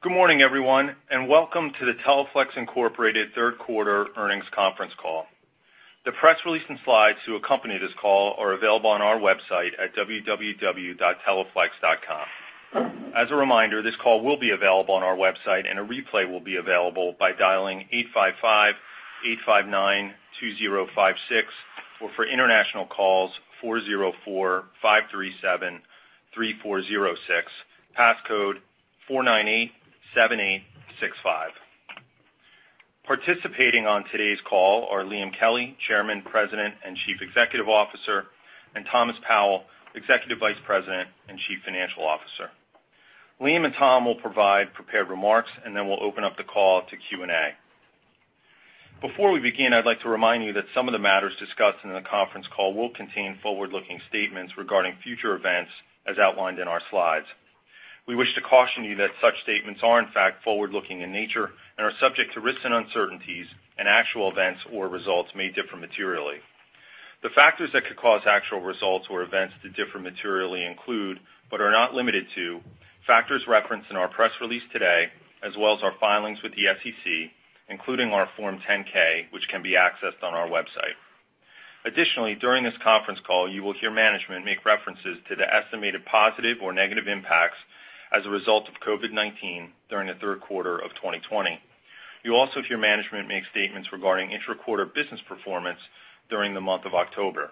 Good morning, everyone, welcome to the Teleflex Incorporated third quarter earnings conference call. The press release and slides to accompany this call are available on our website at www.teleflex.com. As a reminder, this call will be available on our website and a replay will be available by dialing 855-859-2056, or for international calls, 404-537-3406, passcode 4987865. Participating on today's call are Liam Kelly, Chairman, President, and Chief Executive Officer, and Thomas Powell, Executive Vice President and Chief Financial Officer. Liam and Tom will provide prepared remarks, then we'll open up the call to Q&A. Before we begin, I'd like to remind you that some of the matters discussed in the conference call will contain forward-looking statements regarding future events, as outlined in our slides. We wish to caution you that such statements are in fact forward-looking in nature and are subject to risks and uncertainties, and actual events or results may differ materially. The factors that could cause actual results or events to differ materially include, but are not limited to, factors referenced in our press release today, as well as our filings with the SEC, including our Form 10-K, which can be accessed on our website. Additionally, during this conference call, you will hear management make references to the estimated positive or negative impacts as a result of COVID-19 during the third quarter of 2020. You'll also hear management make statements regarding inter-quarter business performance during the month of October.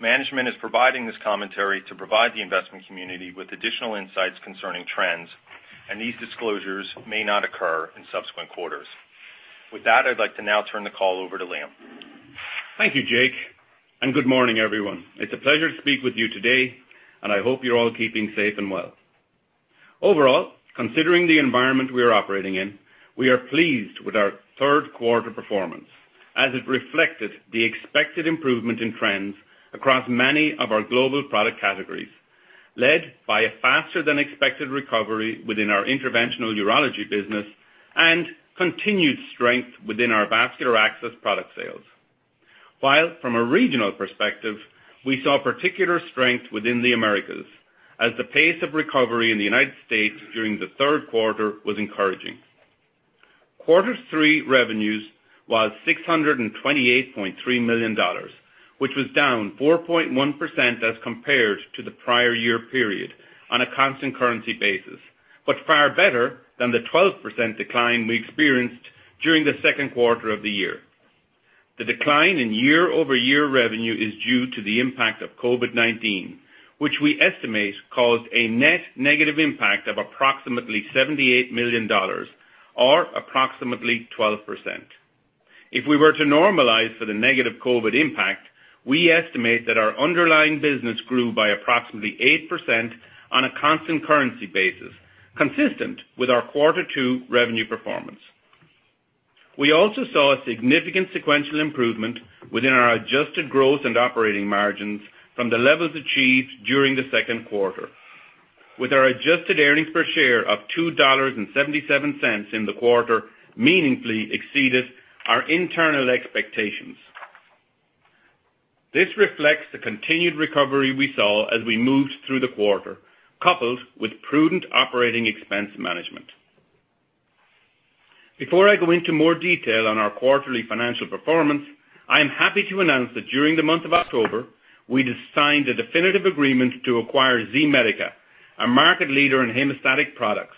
Management is providing this commentary to provide the investment community with additional insights concerning trends, and these disclosures may not occur in subsequent quarters. With that, I'd like to now turn the call over to Liam. Thank you, Jake. Good morning, everyone. It's a pleasure to speak with you today, and I hope you're all keeping safe and well. Overall, considering the environment we are operating in, we are pleased with our third quarter performance, as it reflected the expected improvement in trends across many of our global product categories, led by a faster than expected recovery within our interventional urology business and continued strength within our vascular access product sales. From a regional perspective, we saw particular strength within the Americas, as the pace of recovery in the U.S. during the third quarter was encouraging. Quarter three revenues was $628.3 million, which was down 4.1% as compared to the prior year period on a constant currency basis. Far better than the 12% decline we experienced during the second quarter of the year. The decline in year-over-year revenue is due to the impact of COVID-19, which we estimate caused a net negative impact of approximately $78 million, or approximately 12%. If we were to normalize for the negative COVID impact, we estimate that our underlying business grew by approximately 8% on a constant currency basis, consistent with our quarter two revenue performance. We also saw a significant sequential improvement within our adjusted growth and operating margins from the levels achieved during the second quarter, with our adjusted earnings per share of $2.77 in the quarter meaningfully exceeded our internal expectations. This reflects the continued recovery we saw as we moved through the quarter, coupled with prudent operating expense management. Before I go into more detail on our quarterly financial performance, I am happy to announce that during the month of October, we signed a definitive agreement to acquire Z-Medica, a market leader in hemostatic products.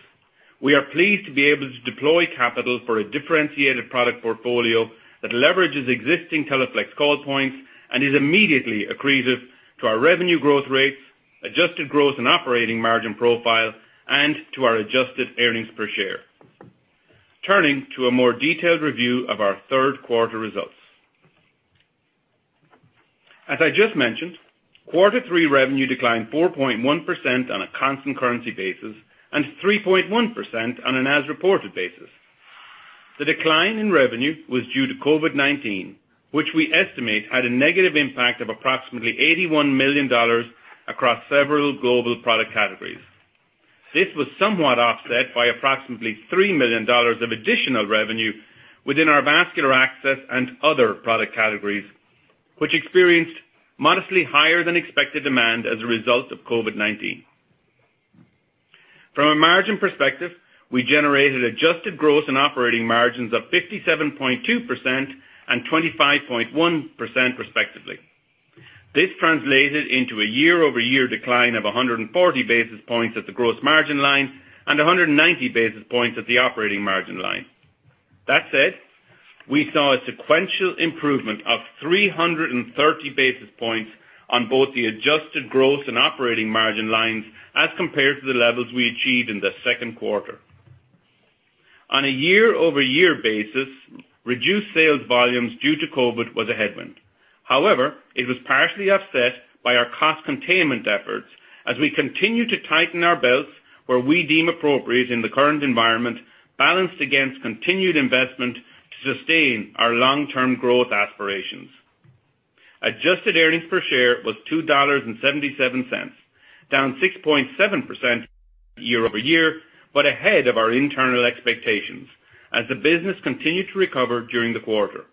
We are pleased to be able to deploy capital for a differentiated product portfolio that leverages existing Teleflex call points and is immediately accretive to our revenue growth rates, adjusted growth and operating margin profile, and to our adjusted earnings per share. Turning to a more detailed review of our third quarter results. As I just mentioned, quarter three revenue declined 4.1% on a constant currency basis and 3.1% on an as-reported basis. The decline in revenue was due to COVID-19, which we estimate had a negative impact of approximately $81 million across several global product categories. This was somewhat offset by approximately $3 million of additional revenue within our vascular access and other product categories, which experienced modestly higher than expected demand as a result of COVID-19. From a margin perspective, we generated adjusted growth in operating margins of 57.2% and 25.1% respectively. This translated into a year-over-year decline of 140 basis points at the gross margin line and 190 basis points at the operating margin line. That said, we saw a sequential improvement of 330 basis points on both the adjusted gross and operating margin lines as compared to the levels we achieved in the second quarter. On a year-over-year basis, reduced sales volumes due to COVID was a headwind. However, it was partially offset by our cost containment efforts as we continue to tighten our belts where we deem appropriate in the current environment, balanced against continued investment to sustain our long-term growth aspirations. Adjusted earnings per share was $2.77, down 6.7% year-over-year, but ahead of our internal expectations as the business continued to recover during the quarter.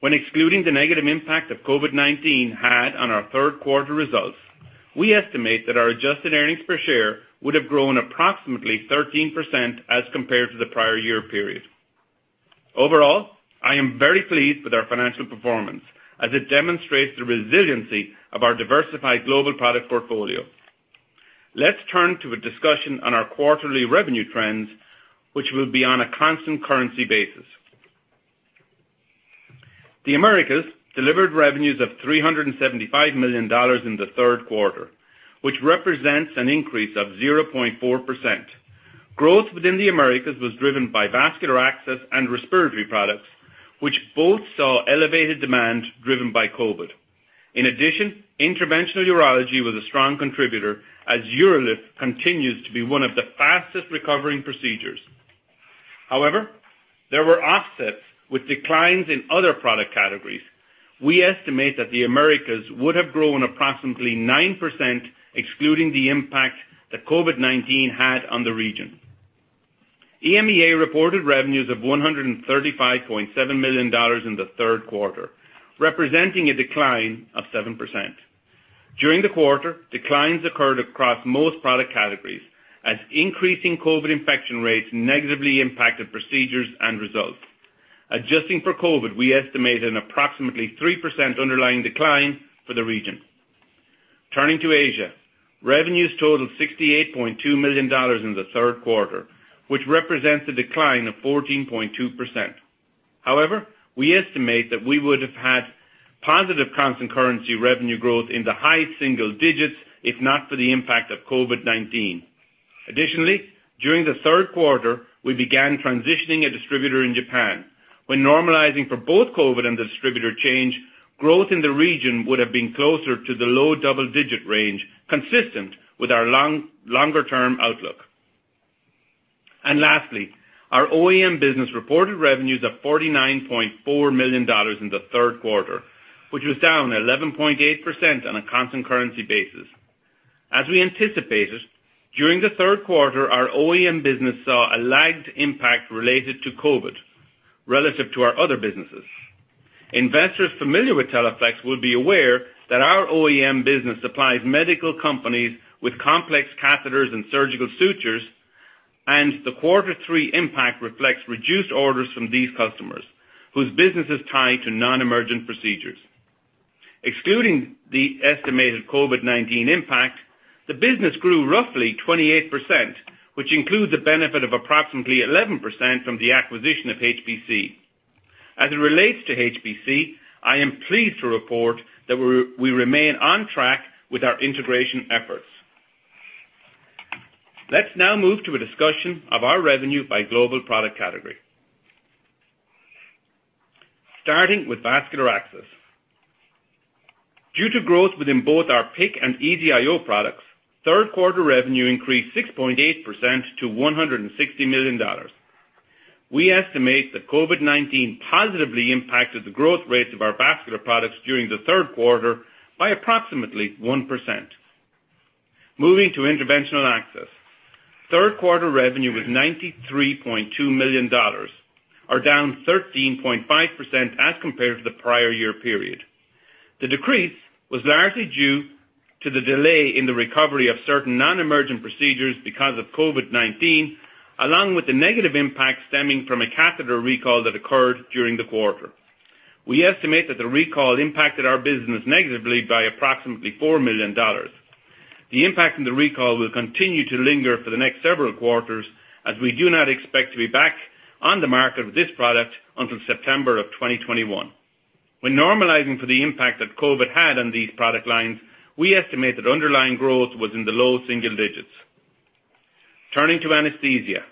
When excluding the negative impact that COVID-19 had on our third quarter results, we estimate that our adjusted earnings per share would have grown approximately 13% as compared to the prior year period. Overall, I am very pleased with our financial performance, as it demonstrates the resiliency of our diversified global product portfolio. Let's turn to a discussion on our quarterly revenue trends, which will be on a constant currency basis. The Americas delivered revenues of $375 million in the third quarter, which represents an increase of 0.4%. Growth within the Americas was driven by vascular access and respiratory products, which both saw elevated demand driven by COVID. In addition, interventional urology was a strong contributor, as UroLift continues to be one of the fastest-recovering procedures. However, there were offsets with declines in other product categories. We estimate that the Americas would have grown approximately 9%, excluding the impact that COVID-19 had on the region. EMEA reported revenues of $135.7 million in the third quarter, representing a decline of 7%. During the quarter, declines occurred across most product categories as increasing COVID infection rates negatively impacted procedures and results. Adjusting for COVID, we estimate an approximately 3% underlying decline for the region. Turning to Asia. Revenues totaled $68.2 million in the third quarter, which represents a decline of 14.2%. However, we estimate that we would have had positive constant currency revenue growth in the high single digits if not for the impact of COVID-19. Additionally, during the third quarter, we began transitioning a distributor in Japan. When normalizing for both COVID and the distributor change, growth in the region would have been closer to the low double-digit range, consistent with our longer-term outlook. Lastly, our OEM business reported revenues of $49.4 million in the third quarter, which was down 11.8% on a constant currency basis. As we anticipated, during the third quarter, our OEM business saw a lagged impact related to COVID relative to our other businesses. Investors familiar with Teleflex will be aware that our OEM business supplies medical companies with complex catheters and surgical sutures, and the quarter three impact reflects reduced orders from these customers, whose business is tied to non-emergent procedures. Excluding the estimated COVID-19 impact, the business grew roughly 28%, which includes a benefit of approximately 11% from the acquisition of HPC. As it relates to HPC, I am pleased to report that we remain on track with our integration efforts. Let's now move to a discussion of our revenue by global product category. Starting with vascular access. Due to growth within both our PICC and EZ-IO products, third quarter revenue increased 6.8% to $160 million. We estimate that COVID-19 positively impacted the growth rate of our vascular products during the third quarter by approximately 1%. Moving to interventional access. Third quarter revenue was $93.2 million, or down 13.5% as compared to the prior year period. The decrease was largely due to the delay in the recovery of certain non-emergent procedures because of COVID-19, along with the negative impact stemming from a catheter recall that occurred during the quarter. We estimate that the recall impacted our business negatively by approximately $4 million. The impact from the recall will continue to linger for the next several quarters, as we do not expect to be back on the market with this product until September of 2021. When normalizing for the impact that COVID had on these product lines, we estimate that underlying growth was in the low single digits. Turning to anesthesia.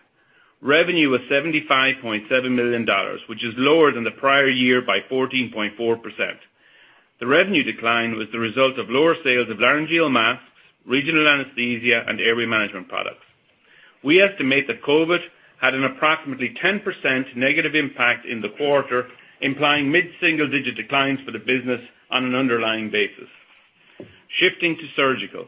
Revenue was $75.7 million, which is lower than the prior year by 14.4%. The revenue decline was the result of lower sales of laryngeal masks, regional anesthesia, and airway management products. We estimate that COVID had an approximately 10% negative impact in the quarter, implying mid-single-digit declines for the business on an underlying basis. Shifting to surgical.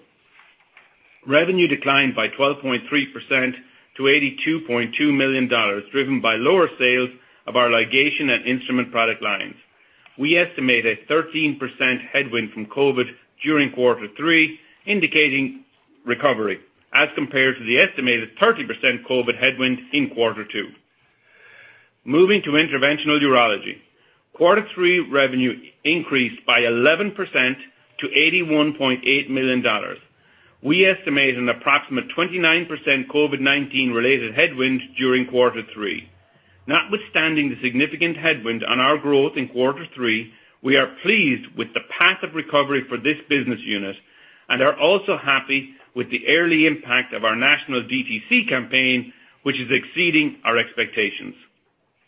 Revenue declined by 12.3% to $82.2 million, driven by lower sales of our ligation and instrument product lines. We estimate a 13% headwind from COVID during quarter three, indicating recovery as compared to the estimated 30% COVID headwind in quarter two. Moving to interventional urology. Quarter three revenue increased by 11% to $81.8 million. We estimate an approximate 29% COVID-19 related headwind during quarter three. Notwithstanding the significant headwind on our growth in quarter three, we are pleased with the path of recovery for this business unit and are also happy with the early impact of our national DTC campaign, which is exceeding our expectations.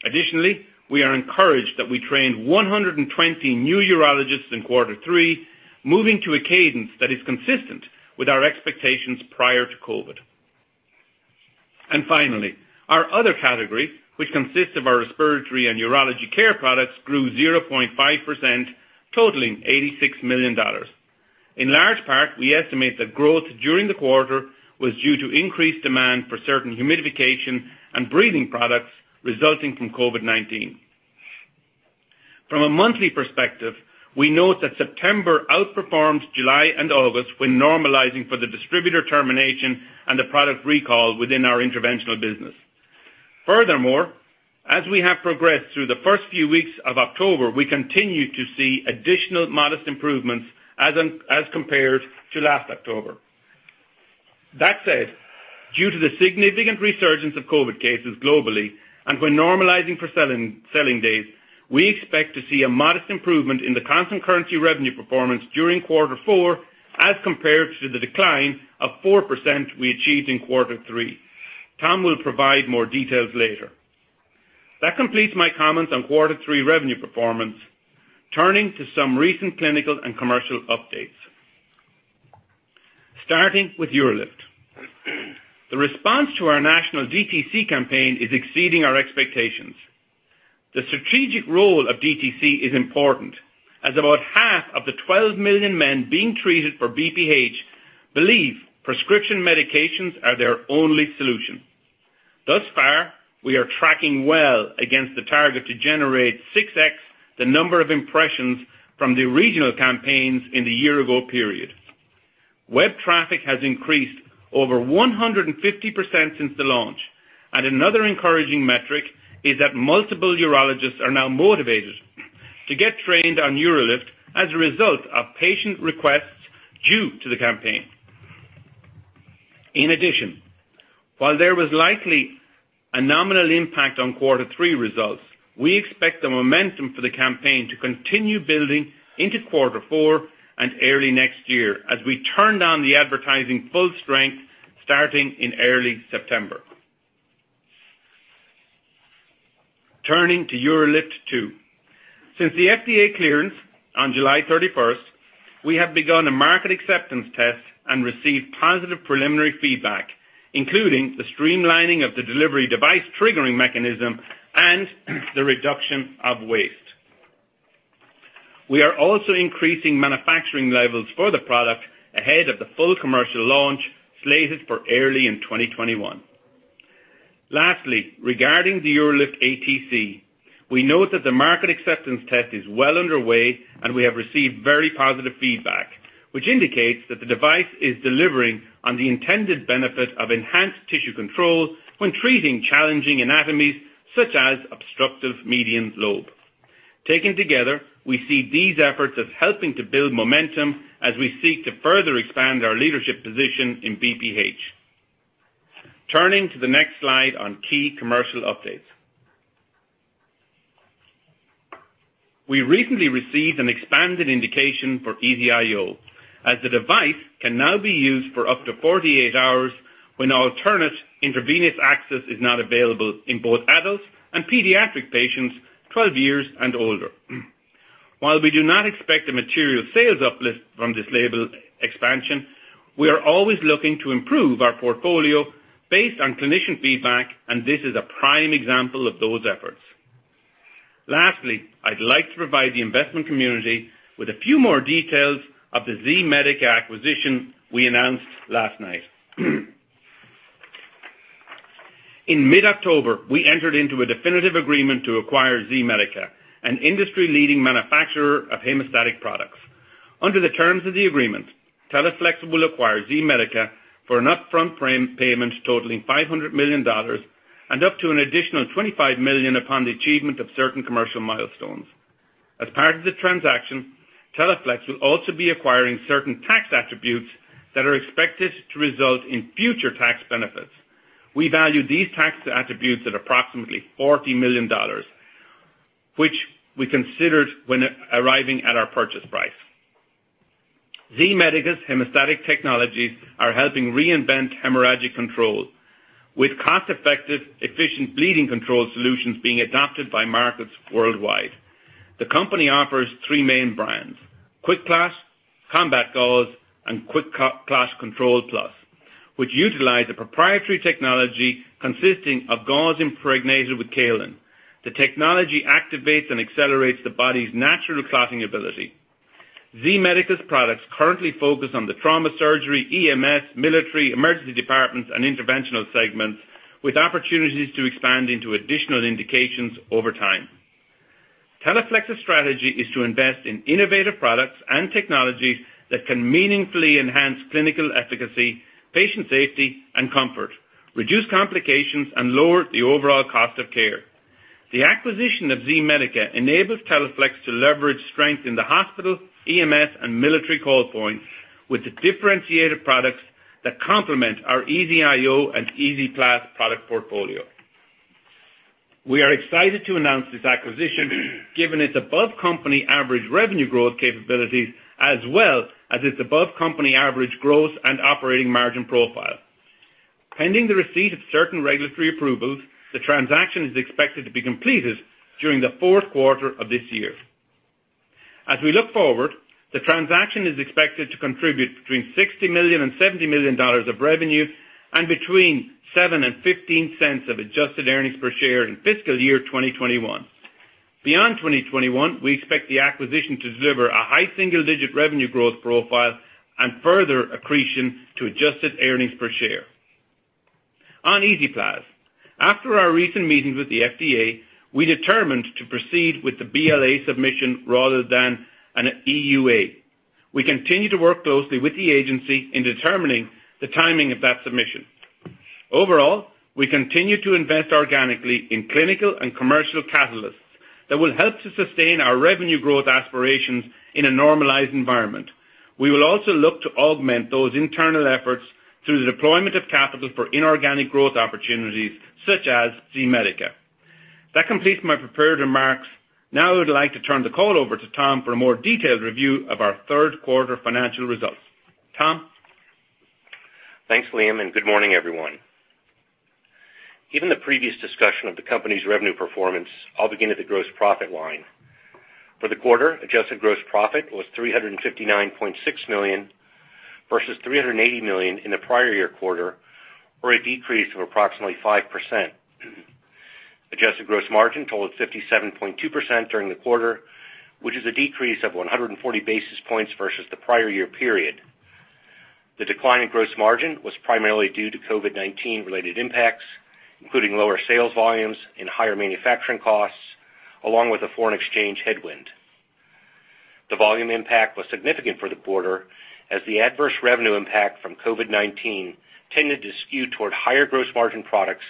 Additionally, we are encouraged that we trained 120 new urologists in quarter three, moving to a cadence that is consistent with our expectations prior to COVID. Finally, our other category, which consists of our respiratory and urology care products, grew 0.5%, totaling $86 million. In large part, we estimate that growth during the quarter was due to increased demand for certain humidification and breathing products resulting from COVID-19. From a monthly perspective, we note that September outperformed July and August when normalizing for the distributor termination and the product recall within our interventional business. As we have progressed through the first few weeks of October, we continue to see additional modest improvements as compared to last October. That said, due to the significant resurgence of COVID cases globally and when normalizing for selling days, we expect to see a modest improvement in the constant currency revenue performance during quarter four as compared to the decline of 4% we achieved in quarter three. Tom will provide more details later. That completes my comments on quarter three revenue performance. Turning to some recent clinical and commercial updates. Starting with UroLift. The response to our national DTC campaign is exceeding our expectations. The strategic role of DTC is important, as about half of the 12 million men being treated for BPH believe prescription medications are their only solution. Thus far, we are tracking well against the target to generate 6x the number of impressions from the regional campaigns in the year-ago period. Web traffic has increased over 150% since the launch, and another encouraging metric is that multiple urologists are now motivated to get trained on UroLift as a result of patient requests due to the campaign. In addition, while there was likely a nominal impact on quarter three results, we expect the momentum for the campaign to continue building into quarter four and early next year as we turn on the advertising full strength starting in early September. Turning to UroLift 2. Since the FDA clearance on July 31st, we have begun a market acceptance test and received positive preliminary feedback, including the streamlining of the delivery device triggering mechanism and the reduction of waste. We are also increasing manufacturing levels for the product ahead of the full commercial launch slated for early in 2021. Lastly, regarding the UroLift ATC, we note that the market acceptance test is well underway, and we have received very positive feedback, which indicates that the device is delivering on the intended benefit of enhanced tissue control when treating challenging anatomies such as obstructive median lobe. Taken together, we see these efforts as helping to build momentum as we seek to further expand our leadership position in BPH. Turning to the next slide on key commercial updates. We recently received an expanded indication for EZ-IO, as the device can now be used for up to 48 hours when alternate intravenous access is not available in both adults and pediatric patients 12 years and older. While we do not expect a material sales uplift from this label expansion, we are always looking to improve our portfolio based on clinician feedback, and this is a prime example of those efforts. Lastly, I'd like to provide the investment community with a few more details of the Z-Medica acquisition we announced last night. In mid-October, we entered into a definitive agreement to acquire Z-Medica, an industry-leading manufacturer of hemostatic products. Under the terms of the agreement, Teleflex will acquire Z-Medica for an upfront payment totaling $500 million and up to an additional $25 million upon the achievement of certain commercial milestones. As part of the transaction, Teleflex will also be acquiring certain tax attributes that are expected to result in future tax benefits. We value these tax attributes at approximately $40 million, which we considered when arriving at our purchase price. Z-Medica's hemostatic technologies are helping reinvent hemorrhagic control with cost-effective, efficient bleeding control solutions being adopted by markets worldwide. The company offers three main brands, QuikClot, Combat Gauze, and QuikClot Control+, which utilize a proprietary technology consisting of gauze impregnated with kaolin. The technology activates and accelerates the body's natural clotting ability. Z-Medica's products currently focus on the trauma surgery, EMS, military, emergency departments, and interventional segments, with opportunities to expand into additional indications over time. Teleflex's strategy is to invest in innovative products and technologies that can meaningfully enhance clinical efficacy, patient safety, and comfort, reduce complications, and lower the overall cost of care. The acquisition of Z-Medica enables Teleflex to leverage strength in the hospital, EMS, and military call points with the differentiated products that complement our EZ-IO and QuikClot product portfolio. We are excited to announce this acquisition given its above-company average revenue growth capabilities as well as its above-company average growth and operating margin profile. Pending the receipt of certain regulatory approvals, the transaction is expected to be completed during the fourth quarter of this year. As we look forward, the transaction is expected to contribute between $60 million and $70 million of revenue and between $0.07 and $0.15 of adjusted earnings per share in fiscal year 2021. Beyond 2021, we expect the acquisition to deliver a high single-digit revenue growth profile and further accretion to adjusted earnings per share. On EZ-PLAZ, after our recent meetings with the FDA, we determined to proceed with the BLA submission rather than an EUA. We continue to work closely with the agency in determining the timing of that submission. Overall, we continue to invest organically in clinical and commercial catalysts that will help to sustain our revenue growth aspirations in a normalized environment. We will also look to augment those internal efforts through the deployment of capital for inorganic growth opportunities, such as Z-Medica. That completes my prepared remarks. Now I would like to turn the call over to Tom for a more detailed review of our third quarter financial results. Tom? Thanks, Liam, and good morning, everyone. Given the previous discussion of the company's revenue performance, I'll begin at the gross profit line. For the quarter, adjusted gross profit was $359.6 million, versus $380 million in the prior year quarter, or a decrease of approximately 5%. Adjusted gross margin totaled 57.2% during the quarter, which is a decrease of 140 basis points versus the prior year period. The decline in gross margin was primarily due to COVID-19 related impacts, including lower sales volumes and higher manufacturing costs, along with a foreign exchange headwind. The volume impact was significant for the quarter, as the adverse revenue impact from COVID-19 tended to skew toward higher gross margin products,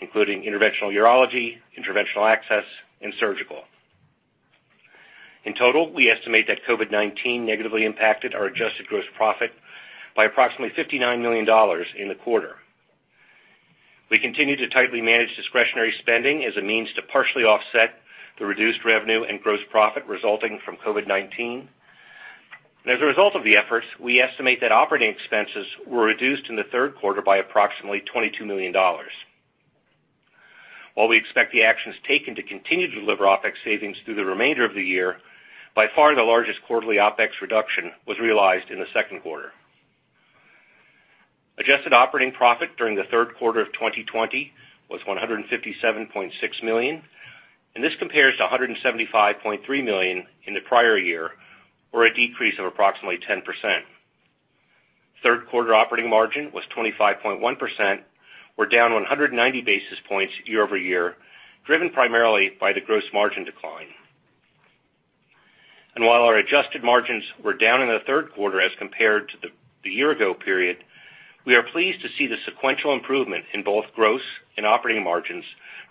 including interventional urology, interventional access, and surgical. In total, we estimate that COVID-19 negatively impacted our adjusted gross profit by approximately $59 million in the quarter. We continue to tightly manage discretionary spending as a means to partially offset the reduced revenue and gross profit resulting from COVID-19. As a result of the efforts, we estimate that operating expenses were reduced in the third quarter by approximately $22 million. While we expect the actions taken to continue to deliver OpEx savings through the remainder of the year, by far the largest quarterly OpEx reduction was realized in the second quarter. Adjusted operating profit during the third quarter of 2020 was $157.6 million, this compares to $175.3 million in the prior year, or a decrease of approximately 10%. Third-quarter operating margin was 25.1%, or down 190 basis points year-over-year, driven primarily by the gross margin decline. While our adjusted margins were down in the third quarter as compared to the year-ago period, we are pleased to see the sequential improvement in both gross and operating margins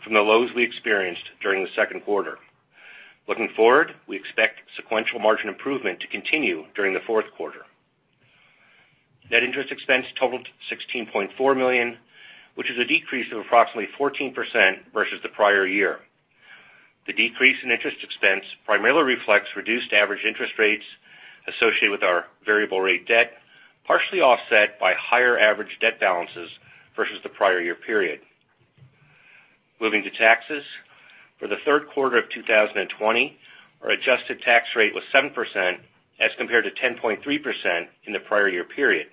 from the lows we experienced during the second quarter. Looking forward, we expect sequential margin improvement to continue during the fourth quarter. Net interest expense totaled $16.4 million, which is a decrease of approximately 14% versus the prior year. The decrease in interest expense primarily reflects reduced average interest rates associated with our variable rate debt, partially offset by higher average debt balances versus the prior year period. Moving to taxes. For the third quarter of 2020, our adjusted tax rate was 7% as compared to 10.3% in the prior year period.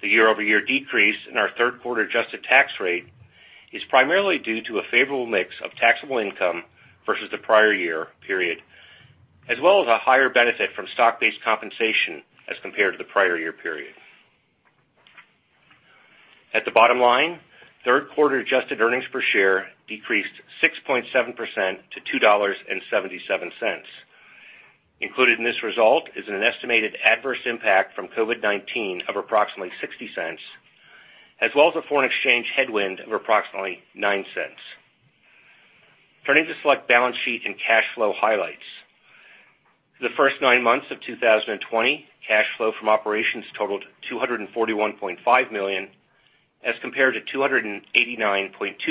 The year-over-year decrease in our third quarter adjusted tax rate is primarily due to a favorable mix of taxable income versus the prior year period, as well as a higher benefit from stock-based compensation as compared to the prior year period. At the bottom line, third quarter adjusted earnings per share decreased 6.7% to $2.77. Included in this result is an estimated adverse impact from COVID-19 of approximately $0.60, as well as a foreign exchange headwind of approximately $0.09. Turning to select balance sheet and cash flow highlights. For the first nine months of 2020, cash flow from operations totaled $241.5 million, as compared to $289.2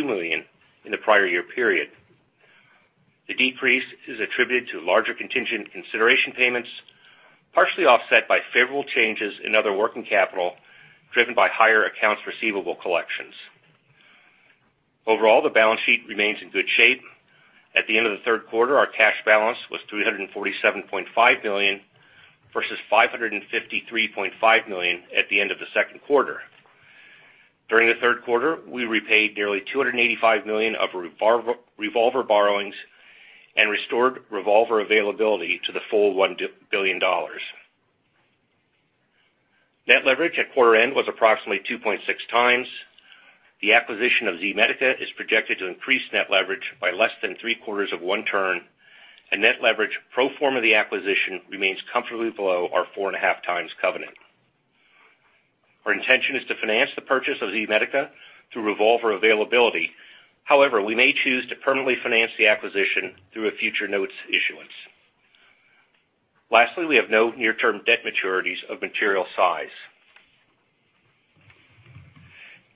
million in the prior year period. The decrease is attributed to larger contingent consideration payments, partially offset by favorable changes in other working capital, driven by higher accounts receivable collections. Overall, the balance sheet remains in good shape. At the end of the third quarter, our cash balance was $347.5 million versus $553.5 million at the end of the second quarter. During the third quarter, we repaid nearly $285 million of revolver borrowings and restored revolver availability to the full $1 billion. Net leverage at quarter end was approximately 2.6 times. The acquisition of Z-Medica is projected to increase net leverage by less than three-quarters of one turn, and net leverage pro forma the acquisition remains comfortably below our four and a half times covenant. Our intention is to finance the purchase of Z-Medica through revolver availability. We may choose to permanently finance the acquisition through a future notes issuance. We have no near-term debt maturities of material size.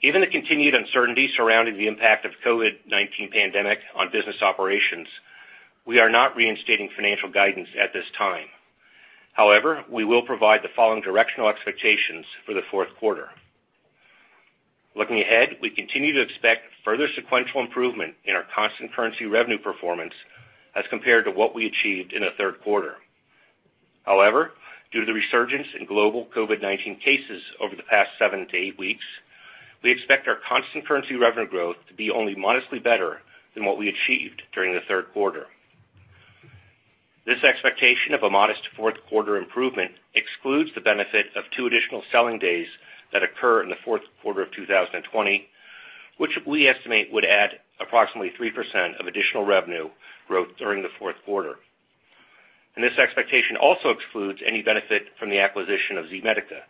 Given the continued uncertainty surrounding the impact of COVID-19 pandemic on business operations, we are not reinstating financial guidance at this time. However, we will provide the following directional expectations for the fourth quarter. Looking ahead, we continue to expect further sequential improvement in our constant currency revenue performance as compared to what we achieved in the third quarter. Due to the resurgence in global COVID-19 cases over the past seven to eight weeks, we expect our constant currency revenue growth to be only modestly better than what we achieved during the third quarter. This expectation of a modest fourth-quarter improvement excludes the benefit of two additional selling days that occur in the fourth quarter of 2020, which we estimate would add approximately 3% of additional revenue growth during the fourth quarter. This expectation also excludes any benefit from the acquisition of Z-Medica,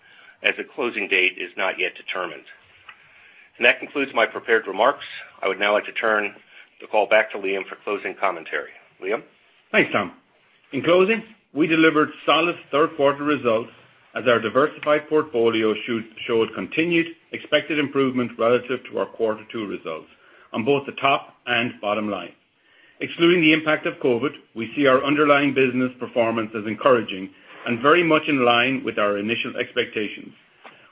as the closing date is not yet determined. That concludes my prepared remarks. I would now like to turn the call back to Liam for closing commentary. Liam? Thanks, Tom. In closing, we delivered solid third-quarter results as our diversified portfolio showed continued expected improvement relative to our quarter two results on both the top and bottom line. Excluding the impact of COVID, we see our underlying business performance as encouraging and very much in line with our initial expectations.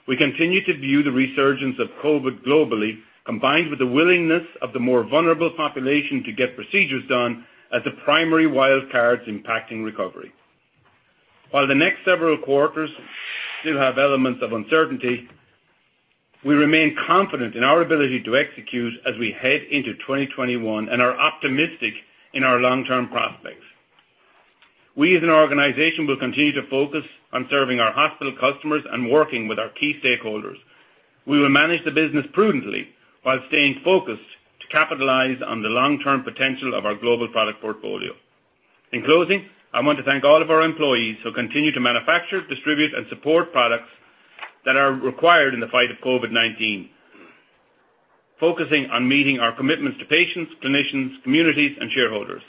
We continue to view the resurgence of COVID globally, combined with the willingness of the more vulnerable population to get procedures done as the primary wild cards impacting recovery. While the next several quarters still have elements of uncertainty, we remain confident in our ability to execute as we head into 2021 and are optimistic in our long-term prospects. We, as an organization, will continue to focus on serving our hospital customers and working with our key stakeholders. We will manage the business prudently while staying focused to capitalize on the long-term potential of our global product portfolio. In closing, I want to thank all of our employees who continue to manufacture, distribute, and support products that are required in the fight of COVID-19, focusing on meeting our commitments to patients, clinicians, communities, and shareholders.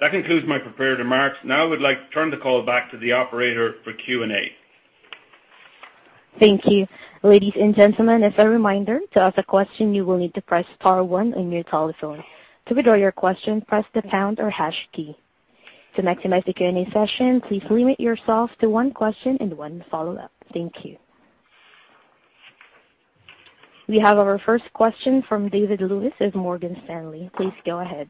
That concludes my prepared remarks. Now, I would like to turn the call back to the operator for Q&A. Thank you. Ladies and gentlemen, as a reminder, to ask a question, you will need to press star one on your telephone. To withdraw your question, press the pound or hash key. To maximize the Q&A session, please limit yourself to one question and one follow-up. Thank you. We have our first question from David Lewis of Morgan Stanley. Please go ahead.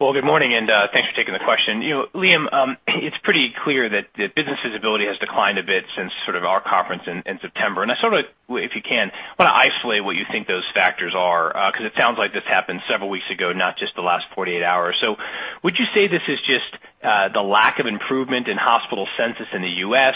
Well, good morning, thanks for taking the question. Liam, it's pretty clear that the business's ability has declined a bit since our conference in September. I sort of, if you can, want to isolate what you think those factors are, because it sounds like this happened several weeks ago, not just the last 48 hours. Would you say this is just the lack of improvement in hospital census in the U.S.?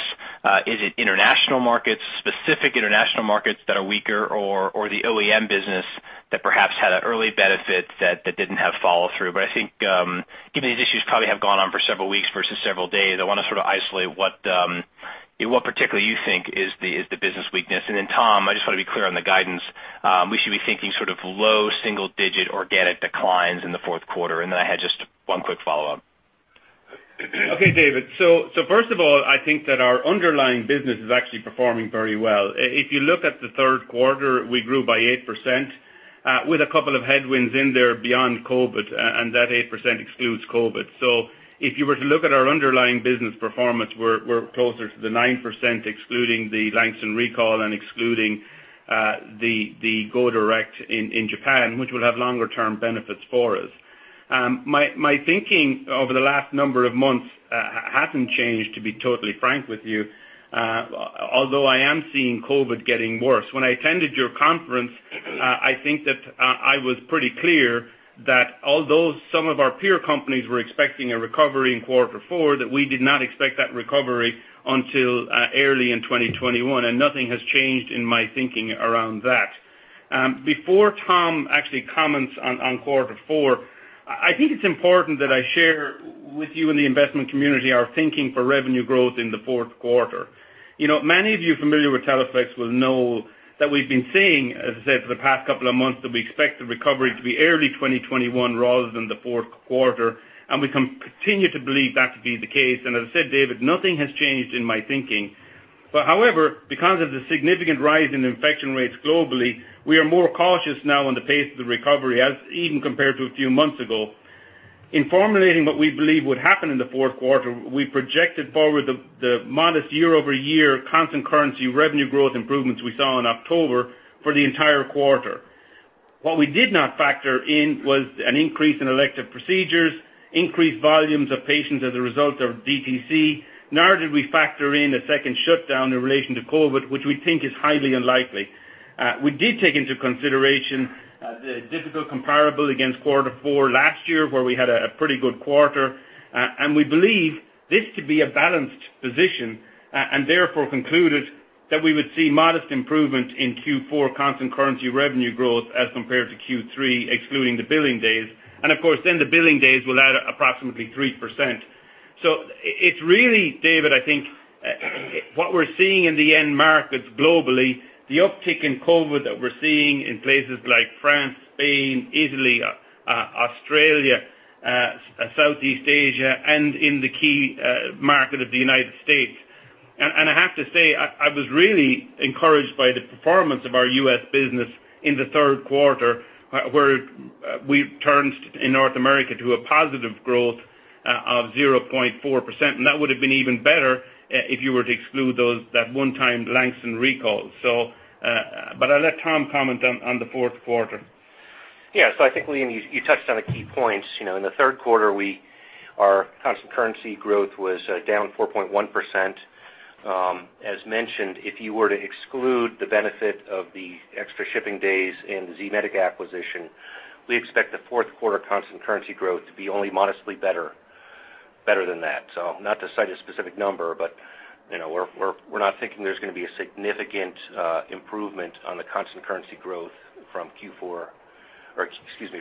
Is it international markets, specific international markets that are weaker or the OEM business that perhaps had an early benefit that didn't have follow-through? I think given these issues probably have gone on for several weeks versus several days, I want to sort of isolate what particularly you think is the business weakness. Tom, I just want to be clear on the guidance. We should be thinking sort of low single-digit organic declines in the fourth quarter. I had just one quick follow-up. Okay, David. First of all, I think that our underlying business is actually performing very well. If you look at the third quarter, we grew by 8% with a couple of headwinds in there beyond COVID, and that 8% excludes COVID. If you were to look at our underlying business performance, we're closer to the 9%, excluding the Langston recall and excluding the Go Direct in Japan, which will have longer-term benefits for us. My thinking over the last number of months hasn't changed, to be totally frank with you, although I am seeing COVID getting worse. When I attended your conference, I think that I was pretty clear that although some of our peer companies were expecting a recovery in quarter four, that we did not expect that recovery until early in 2021. Nothing has changed in my thinking around that. Before Tom actually comments on quarter four, I think it's important that I share with you and the investment community our thinking for revenue growth in the fourth quarter. Many of you familiar with Teleflex will know that we've been saying, as I said, for the past couple of months, that we expect the recovery to be early 2021 rather than the fourth quarter, and we continue to believe that to be the case. As I said, David, nothing has changed in my thinking. However, because of the significant rise in infection rates globally, we are more cautious now on the pace of the recovery as even compared to a few months ago. In formulating what we believe would happen in the fourth quarter, we projected forward the modest year-over-year constant currency revenue growth improvements we saw in October for the entire quarter. What we did not factor in was an increase in elective procedures, increased volumes of patients as a result of DTC. Nor did we factor in a second shutdown in relation to COVID, which we think is highly unlikely. We did take into consideration the difficult comparable against quarter four last year, where we had a pretty good quarter, and we believe this to be a balanced position and therefore concluded that we would see modest improvement in Q4 constant currency revenue growth as compared to Q3, excluding the billing days. Of course then the billing days will add approximately 3%. It's really, David, I think what we're seeing in the end markets globally, the uptick in COVID that we're seeing in places like France, Spain, Italy, Australia, Southeast Asia, and in the key market of the United States. I have to say, I was really encouraged by the performance of our U.S. business in the third quarter, where we've turned in North America to a positive growth of 0.4%, and that would have been even better if you were to exclude that one-time Langston recall. I'll let Tom comment on the fourth quarter. I think, Liam, you touched on the key points. In the third quarter, our constant currency growth was down 4.1%. As mentioned, if you were to exclude the benefit of the extra shipping days in the Z-Medica acquisition, we expect the fourth quarter constant currency growth to be only modestly better than that. Not to cite a specific number, but we're not thinking there's going to be a significant improvement on the constant currency growth from Q3-Q4.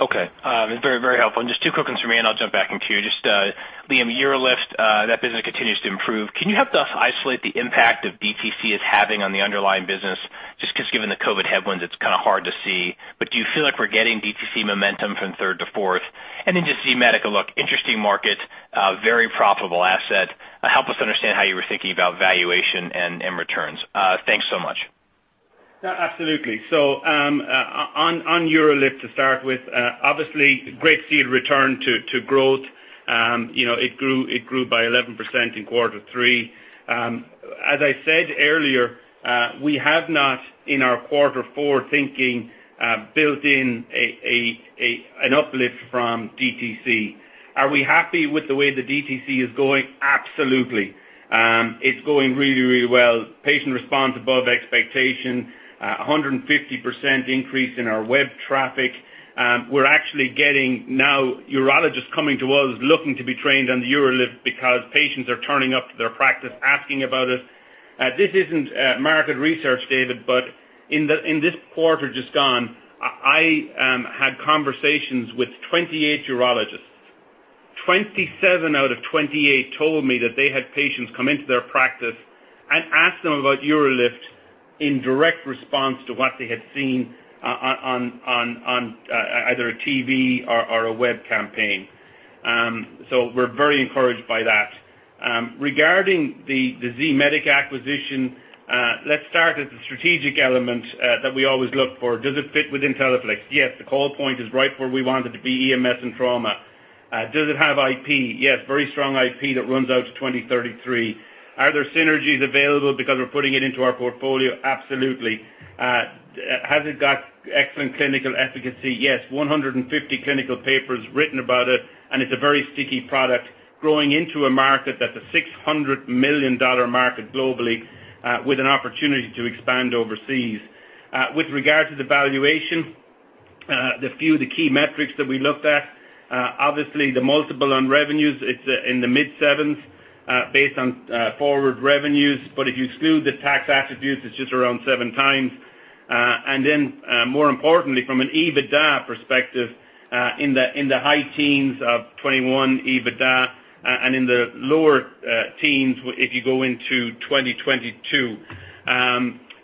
Okay. Very helpful. Just two quick ones from me, and I'll jump back in queue. Just Liam, UroLift, that business continues to improve. Can you help us isolate the impact that DTC is having on the underlying business? Just because given the COVID headwinds, it's kind of hard to see. Do you feel like we're getting DTC momentum from third to fourth? Then just Z-Medica, look, interesting market, very profitable asset. Help us understand how you were thinking about valuation and returns. Thanks so much. Yeah, absolutely. On UroLift to start with, obviously great to see it return to growth. It grew by 11% in quarter three. As I said earlier, we have not, in our quarter four thinking, built in an uplift from DTC. Are we happy with the way the DTC is going? Absolutely. It's going really well. Patient response above expectation, 150% increase in our web traffic. We're actually getting now urologists coming to us looking to be trained on the UroLift because patients are turning up to their practice asking about it. This isn't market research, David, but in this quarter just gone, I had conversations with 28 urologists. 27 out of 28 told me that they had patients come into their practice and ask them about UroLift in direct response to what they had seen on either a TV or a web campaign. We're very encouraged by that. Regarding the Z-Medica acquisition, let's start at the strategic element that we always look for. Does it fit within Teleflex? Yes. The call point is right where we want it to be, EMS and trauma. Does it have IP? Yes, very strong IP that runs out to 2033. Are there synergies available because we're putting it into our portfolio? Absolutely. Has it got excellent clinical efficacy? Yes, 150 clinical papers written about it, and it's a very sticky product growing into a market that's a $600 million market globally, with an opportunity to expand overseas. With regard to the valuation, the few of the key metrics that we looked at, obviously the multiple on revenues, it's in the mid-7s based on forward revenues. If you exclude the tax attributes, it's just around 7x. More importantly, from an EBITDA perspective, in the high teens of 2021 EBITDA and in the lower teens, if you go into 2022.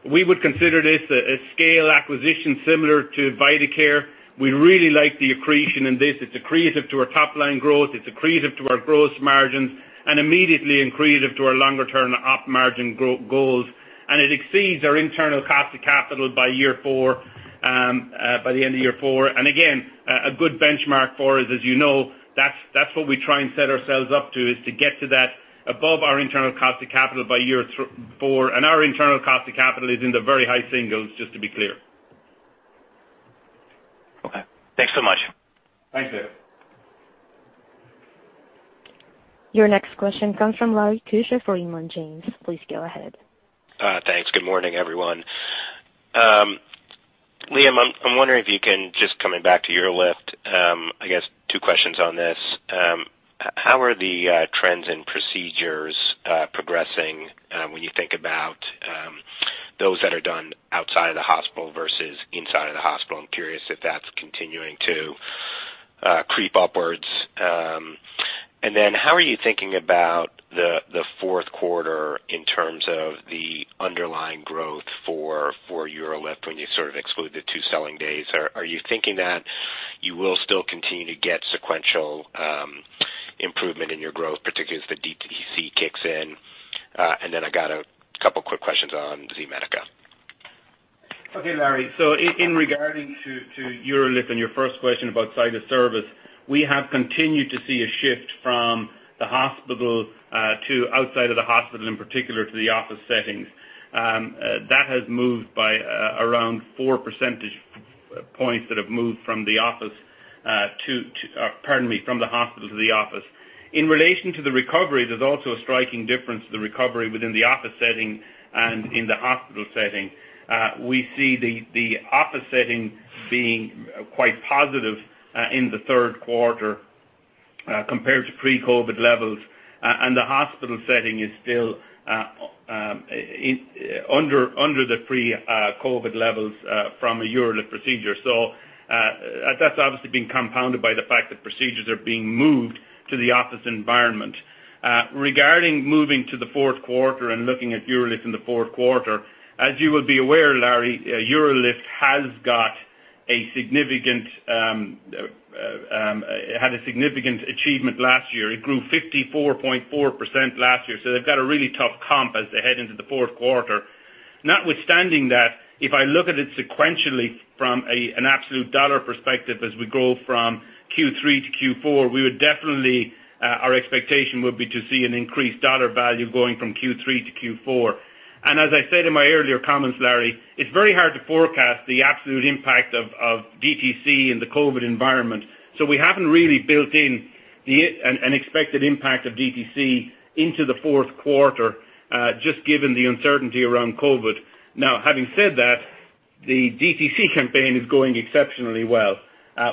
We would consider this a scale acquisition similar to Vidacare. We really like the accretion in this. It's accretive to our top-line growth. It's accretive to our gross margins and immediately accretive to our longer-term op margin goals. It exceeds our internal cost of capital by the end of year four. Again, a good benchmark for us, as you know, that's what we try and set ourselves up to, is to get to that above our internal cost of capital by year four. Our internal cost of capital is in the very high singles, just to be clear. Okay. Thanks so much. Thanks, David. Your next question comes from Lawrence Keusch for Raymond James. Please go ahead. Thanks. Good morning, everyone. Liam, I'm wondering if you can just coming back to UroLift, I guess two questions on this. How are the trends in procedures progressing when you think about those that are done outside of the hospital versus inside of the hospital? I'm curious if that's continuing to creep upwards. How are you thinking about the fourth quarter in terms of the underlying growth for UroLift when you sort of exclude the two selling days? Are you thinking that you will still continue to get sequential improvement in your growth, particularly as the DTC kicks in? I got a couple quick questions on Z-Medica. Okay, Larry. In regarding to UroLift and your first question about site of service, we have continued to see a shift from the hospital to outside of the hospital, in particular to the office settings. That has moved by around four percentage points that have moved from the hospital to the office. In relation to the recovery, there's also a striking difference to the recovery within the office setting and in the hospital setting. We see the office setting being quite positive in the third quarter compared to pre-COVID levels, and the hospital setting is still under the pre-COVID levels from a UroLift procedure. That's obviously been compounded by the fact that procedures are being moved to the office environment. Regarding moving to the fourth quarter and looking at UroLift in the fourth quarter, as you will be aware, Larry, UroLift had a significant achievement last year. It grew 54.4% last year. They've got a really tough comp as they head into the fourth quarter. Notwithstanding that, if I look at it sequentially from an absolute dollar perspective, as we go from Q3-Q4, our expectation would be to see an increased dollar value going from Q3-Q4. As I said in my earlier comments, Larry, it's very hard to forecast the absolute impact of DTC in the COVID environment. We haven't really built in an expected impact of DTC into the fourth quarter, just given the uncertainty around COVID. Having said that, the DTC campaign is going exceptionally well.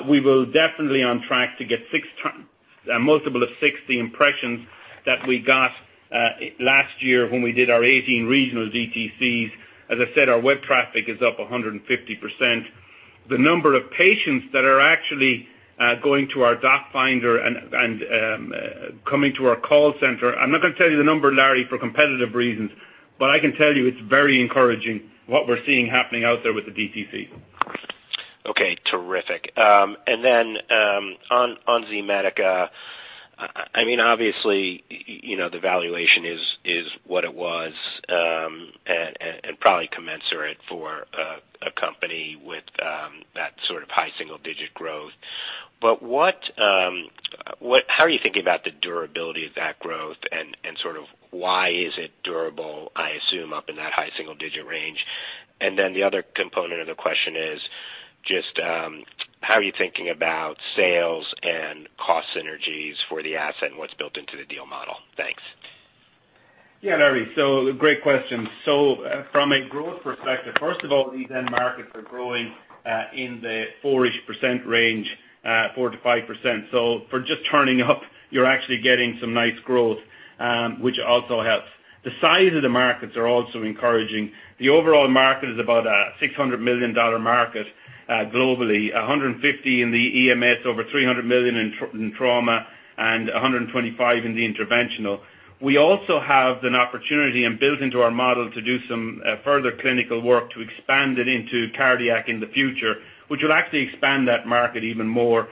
We will definitely be on track to get a multiple of 60 impressions that we got last year when we did our 18 regional DTCs. As I said, our web traffic is up 150%. The number of patients that are actually going to our doc finder and coming to our call center, I'm not going to tell you the number, Larry, for competitive reasons, but I can tell you it's very encouraging what we're seeing happening out there with the DTC. Okay, terrific. On Z-Medica, obviously, the valuation is what it was, and probably commensurate for a company with that sort of high single-digit growth. How are you thinking about the durability of that growth and why is it durable, I assume, up in that high single-digit range? The other component of the question is just, how are you thinking about sales and cost synergies for the asset and what's built into the deal model? Thanks. Yeah, Larry. Great question. From a growth perspective, first of all, these end markets are growing in the four-ish % range, 4%-5%. For just turning up, you're actually getting some nice growth, which also helps. The size of the markets are also encouraging. The overall market is about a $600 million market globally, $150 million in the EMS, over $300 million in trauma, and $125 million in the interventional. We also have an opportunity and built into our model to do some further clinical work to expand it into cardiac in the future, which will actually expand that market even more.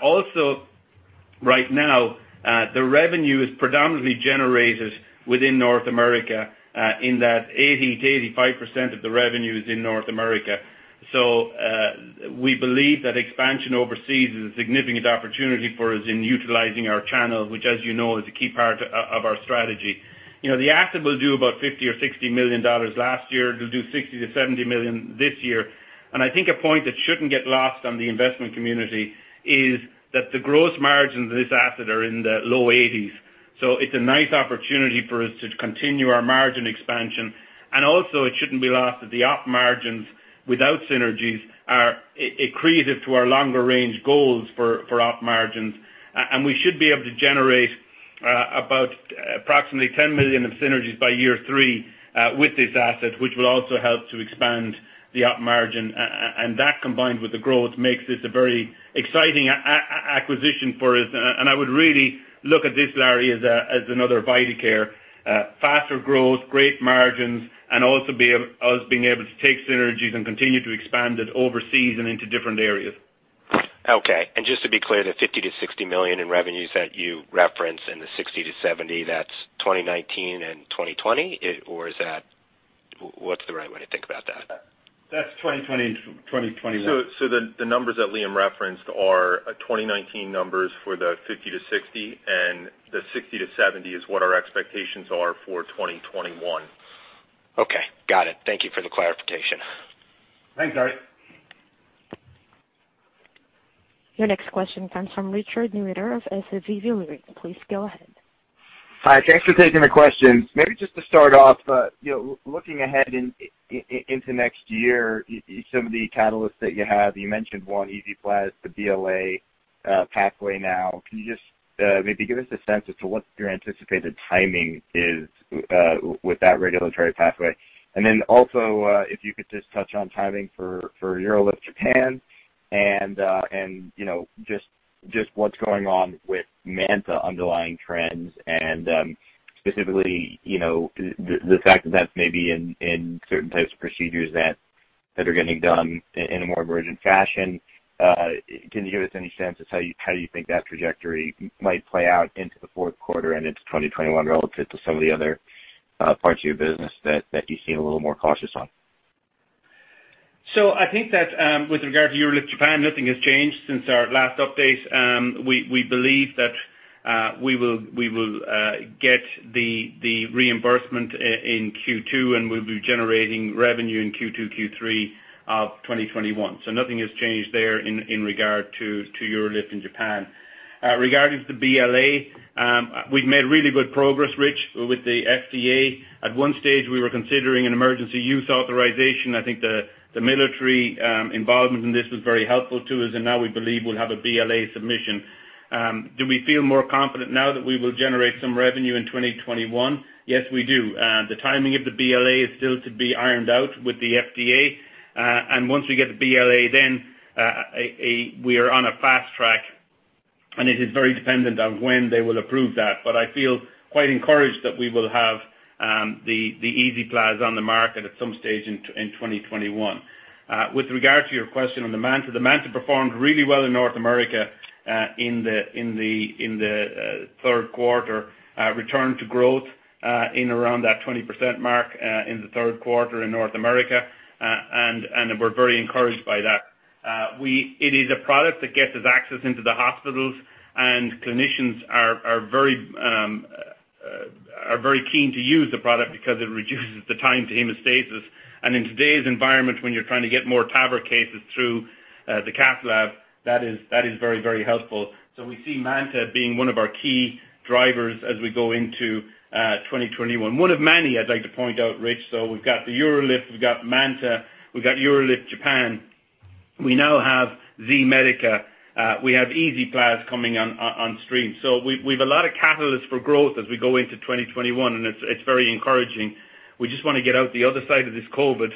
Also, right now, the revenue is predominantly generated within North America, in that 80%-85% of the revenue is in North America. We believe that expansion overseas is a significant opportunity for us in utilizing our channel, which, as you know, is a key part of our strategy. The asset will do about $50 million or $60 million last year. It'll do $60 million-$70 million this year. I think a point that shouldn't get lost on the investment community is that the gross margins of this asset are in the low 80s. It's a nice opportunity for us to continue our margin expansion. Also it shouldn't be lost that the op margins without synergies are accretive to our longer-range goals for op margins. We should be able to generate about approximately $10 million of synergies by year three with this asset, which will also help to expand the op margin. That combined with the growth makes this a very exciting acquisition for us. I would really look at this, Larry, as another Vidacare. Faster growth, great margins, and also us being able to take synergies and continue to expand it overseas and into different areas. Okay. Just to be clear, the $50 million-$60 million in revenues that you referenced and the $60-$70, that's 2019 and 2020? What's the right way to think about that? That's 2020 and 2021. The numbers that Liam referenced are 2019 numbers for the $50-$60, and the $60-$70 is what our expectations are for 2021. Okay. Got it. Thank you for the clarification. Thanks, Larry. Your next question comes from Richard Newitter of SVB Leerink. Please go ahead. Hi. Thanks for taking the questions. Maybe just to start off, looking ahead into next year, some of the catalysts that you have, you mentioned one, EZPLAZ, the BLA pathway now. Can you just maybe give us a sense as to what your anticipated timing is with that regulatory pathway? Also, if you could just touch on timing for UroLift Japan and just what's going on with MANTA underlying trends and specifically, the fact that that's maybe in certain types of procedures that are getting done in a more emergent fashion. Can you give us any sense as to how you think that trajectory might play out into the fourth quarter and into 2021 relative to some of the other parts of your business that you seem a little more cautious on? I think that with regard to UroLift Japan, nothing has changed since our last update. We believe that we will get the reimbursement in Q2, and we'll be generating revenue in Q2, Q3 of 2021. Nothing has changed there in regard to UroLift in Japan. Regarding the BLA, we've made really good progress, Rich, with the FDA. At one stage, we were considering an emergency use authorization. I think the military involvement in this was very helpful to us, and now we believe we'll have a BLA submission. Do we feel more confident now that we will generate some revenue in 2021? Yes, we do. The timing of the BLA is still to be ironed out with the FDA. Once we get the BLA, then we are on a fast track, and it is very dependent on when they will approve that. I feel quite encouraged that we will have the EZPLAZ on the market at some stage in 2021. With regard to your question on the MANTA, the MANTA performed really well in North America in the third quarter. Returned to growth in around that 20% mark in the third quarter in North America, and we're very encouraged by that. It is a product that gets us access into the hospitals, and clinicians are very keen to use the product because it reduces the time to hemostasis. In today's environment, when you're trying to get more TAVR cases through the cath lab, that is very helpful. We see MANTA being one of our key drivers as we go into 2021. One of many, I'd like to point out, Rich. We've got the UroLift, we've got MANTA, we've got UroLift Japan. We now have Z-Medica. We have EZPLAZ coming on stream. We've a lot of catalysts for growth as we go into 2021, and it's very encouraging. We just want to get out the other side of this COVID.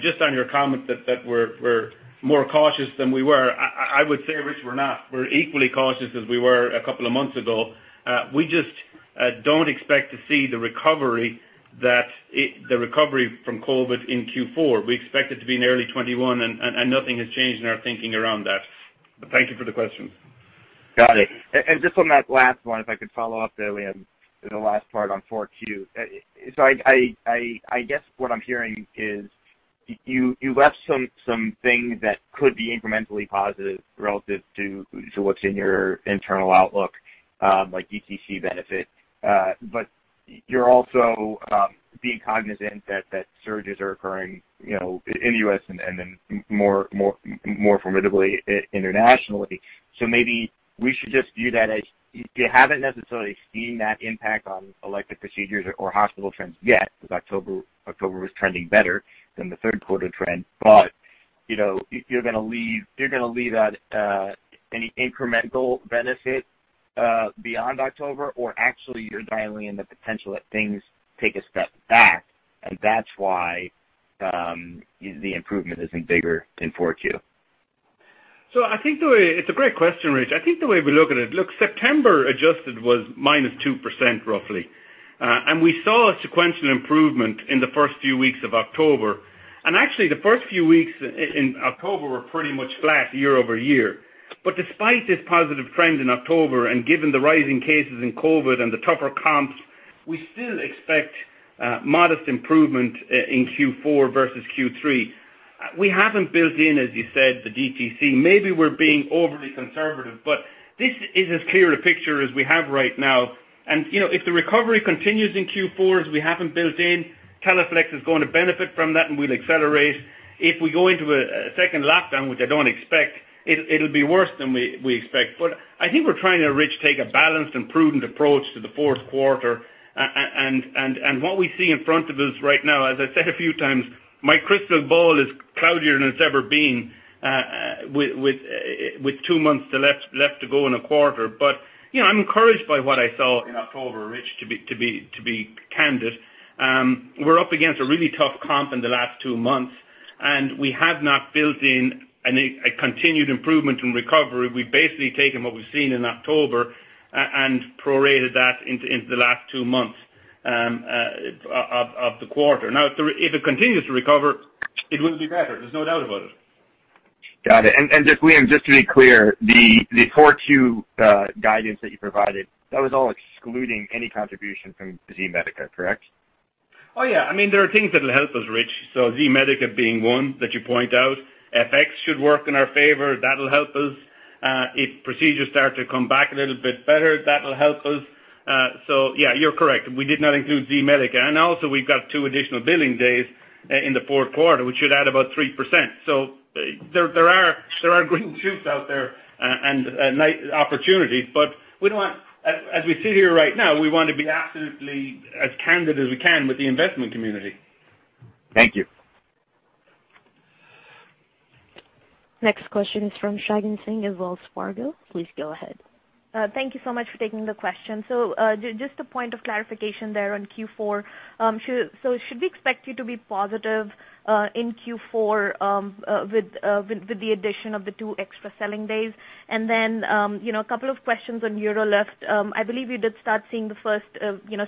Just on your comment that we're more cautious than we were, I would say, Rich, we're not. We're equally cautious as we were a couple of months ago. We just don't expect to see the recovery from COVID in Q4. We expect it to be in early 2021, nothing has changed in our thinking around that. Thank you for the question. Got it. Just on that last one, if I could follow up there, Liam, the last part on 4Q. I guess what I'm hearing is you left some things that could be incrementally positive relative to what's in your internal outlook, like DTC benefit. You're also being cognizant that surges are occurring in the U.S. and then more formidably internationally. Maybe we should just view that as you haven't necessarily seen that impact on elective procedures or hospital trends yet, because October was trending better than the third quarter trend. If you're going to leave out any incremental benefit beyond October, or actually you're dialing in the potential that things take a step back, and that's why the improvement isn't bigger in 4Q. I think it's a great question, Rich. I think the way we look at it, look, September adjusted was -2% roughly. We saw a sequential improvement in the first few weeks of October. Actually, the first few weeks in October were pretty much flat year-over-year. Despite this positive trend in October, and given the rising cases in COVID and the tougher comps, we still expect modest improvement in Q4 versus Q3. We haven't built in, as you said, the DTC. Maybe we're being overly conservative, but this is as clear a picture as we have right now. If the recovery continues in Q4 as we have them built in, Teleflex is going to benefit from that, and we'll accelerate. If we go into a second lockdown, which I don't expect, it'll be worse than we expect. I think we're trying to, Rich, take a balanced and prudent approach to the fourth quarter. What we see in front of us right now, as I said a few times, my crystal ball is cloudier than it's ever been with two months left to go in a quarter. I'm encouraged by what I saw in October, Rich, to be candid. We're up against a really tough comp in the last two months, and we have not built in a continued improvement in recovery. We've basically taken what we've seen in October and prorated that into the last two months of the quarter. If it continues to recover, it will be better, there's no doubt about it. Got it. Just, Liam, just to be clear, the 4Q guidance that you provided, that was all excluding any contribution from Z-Medica, correct? Yeah. There are things that'll help us, Rich. Z-Medica being one that you point out. FX should work in our favor. That'll help us. If procedures start to come back a little bit better, that'll help us. Yeah, you're correct. We did not include Z-Medica. We've got two additional billing days in the fourth quarter, which should add about 3%. There are green shoots out there and opportunities. As we sit here right now, we want to be absolutely as candid as we can with the investment community. Thank you. Next question is from Shagun Singh of Wells Fargo. Please go ahead. Thank you so much for taking the question. Just a point of clarification there on Q4. Should we expect you to be positive in Q4 with the addition of the two extra selling days? A couple of questions on UroLift. I believe you did start seeing the first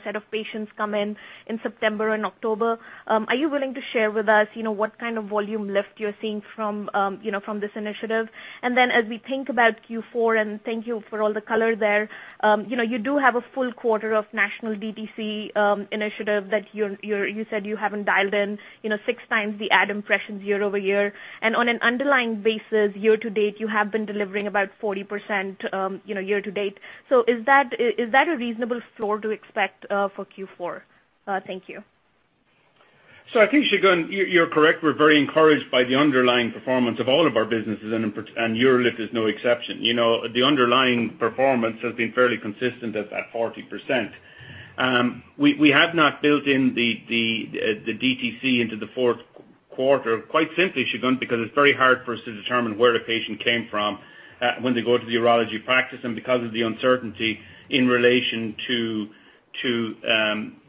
set of patients come in in September and October. Are you willing to share with us what kind of volume lift you're seeing from this initiative? As we think about Q4, and thank you for all the color there, you do have a full quarter of national DTC initiative that you said you haven't dialed in six times the ad impressions year-over-year. On an underlying basis, year-to-date, you have been delivering about 40% year-to-date. Is that a reasonable floor to expect for Q4? Thank you. I think, Shagun, you're correct. We're very encouraged by the underlying performance of all of our businesses, and UroLift is no exception. The underlying performance has been fairly consistent at that 40%. We have not built in the DTC into the fourth quarter, quite simply, Shagun, because it's very hard for us to determine where a patient came from when they go to the urology practice and because of the uncertainty in relation to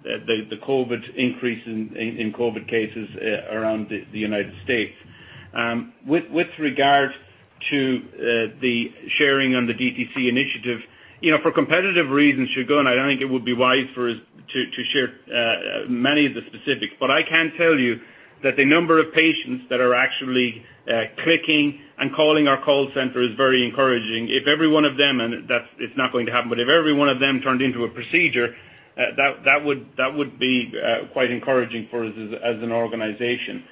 the COVID increase in COVID cases around the United States. With regard to the sharing on the DTC initiative, for competitive reasons, Shagun, I don't think it would be wise for us to share many of the specifics. I can tell you that the number of patients that are actually clicking and calling our call center is very encouraging. If every one of them, and it's not going to happen, but if every one of them turned into a procedure, that would be quite encouraging for us as an organization.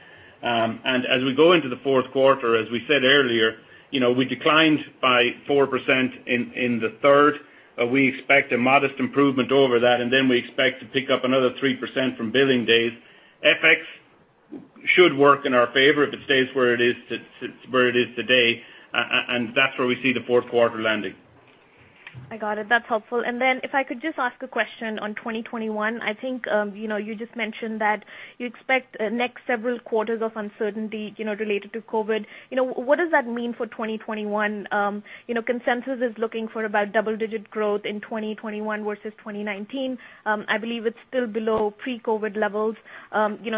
As we go into the fourth quarter, as we said earlier, we declined by 4% in the third. We expect a modest improvement over that, we expect to pick up another 3% from billing days. FX should work in our favor if it stays where it is today. That's where we see the fourth quarter landing. I got it. That's helpful. If I could just ask a question on 2021. I think, you just mentioned that you expect next several quarters of uncertainty related to COVID. What does that mean for 2021? Consensus is looking for about double-digit growth in 2021 versus 2019. I believe it's still below pre-COVID levels.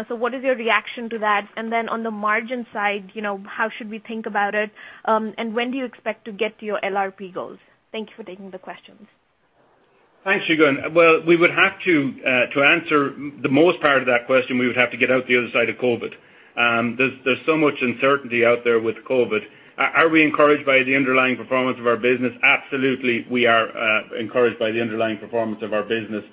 What is your reaction to that? On the margin side, how should we think about it? When do you expect to get to your LRP goals? Thank you for taking the questions. Thanks, Shagun. Well, to answer the most part of that question, we would have to get out the other side of COVID. There's so much uncertainty out there with COVID. Are we encouraged by the underlying performance of our business? Absolutely, we are encouraged by the underlying performance of our business.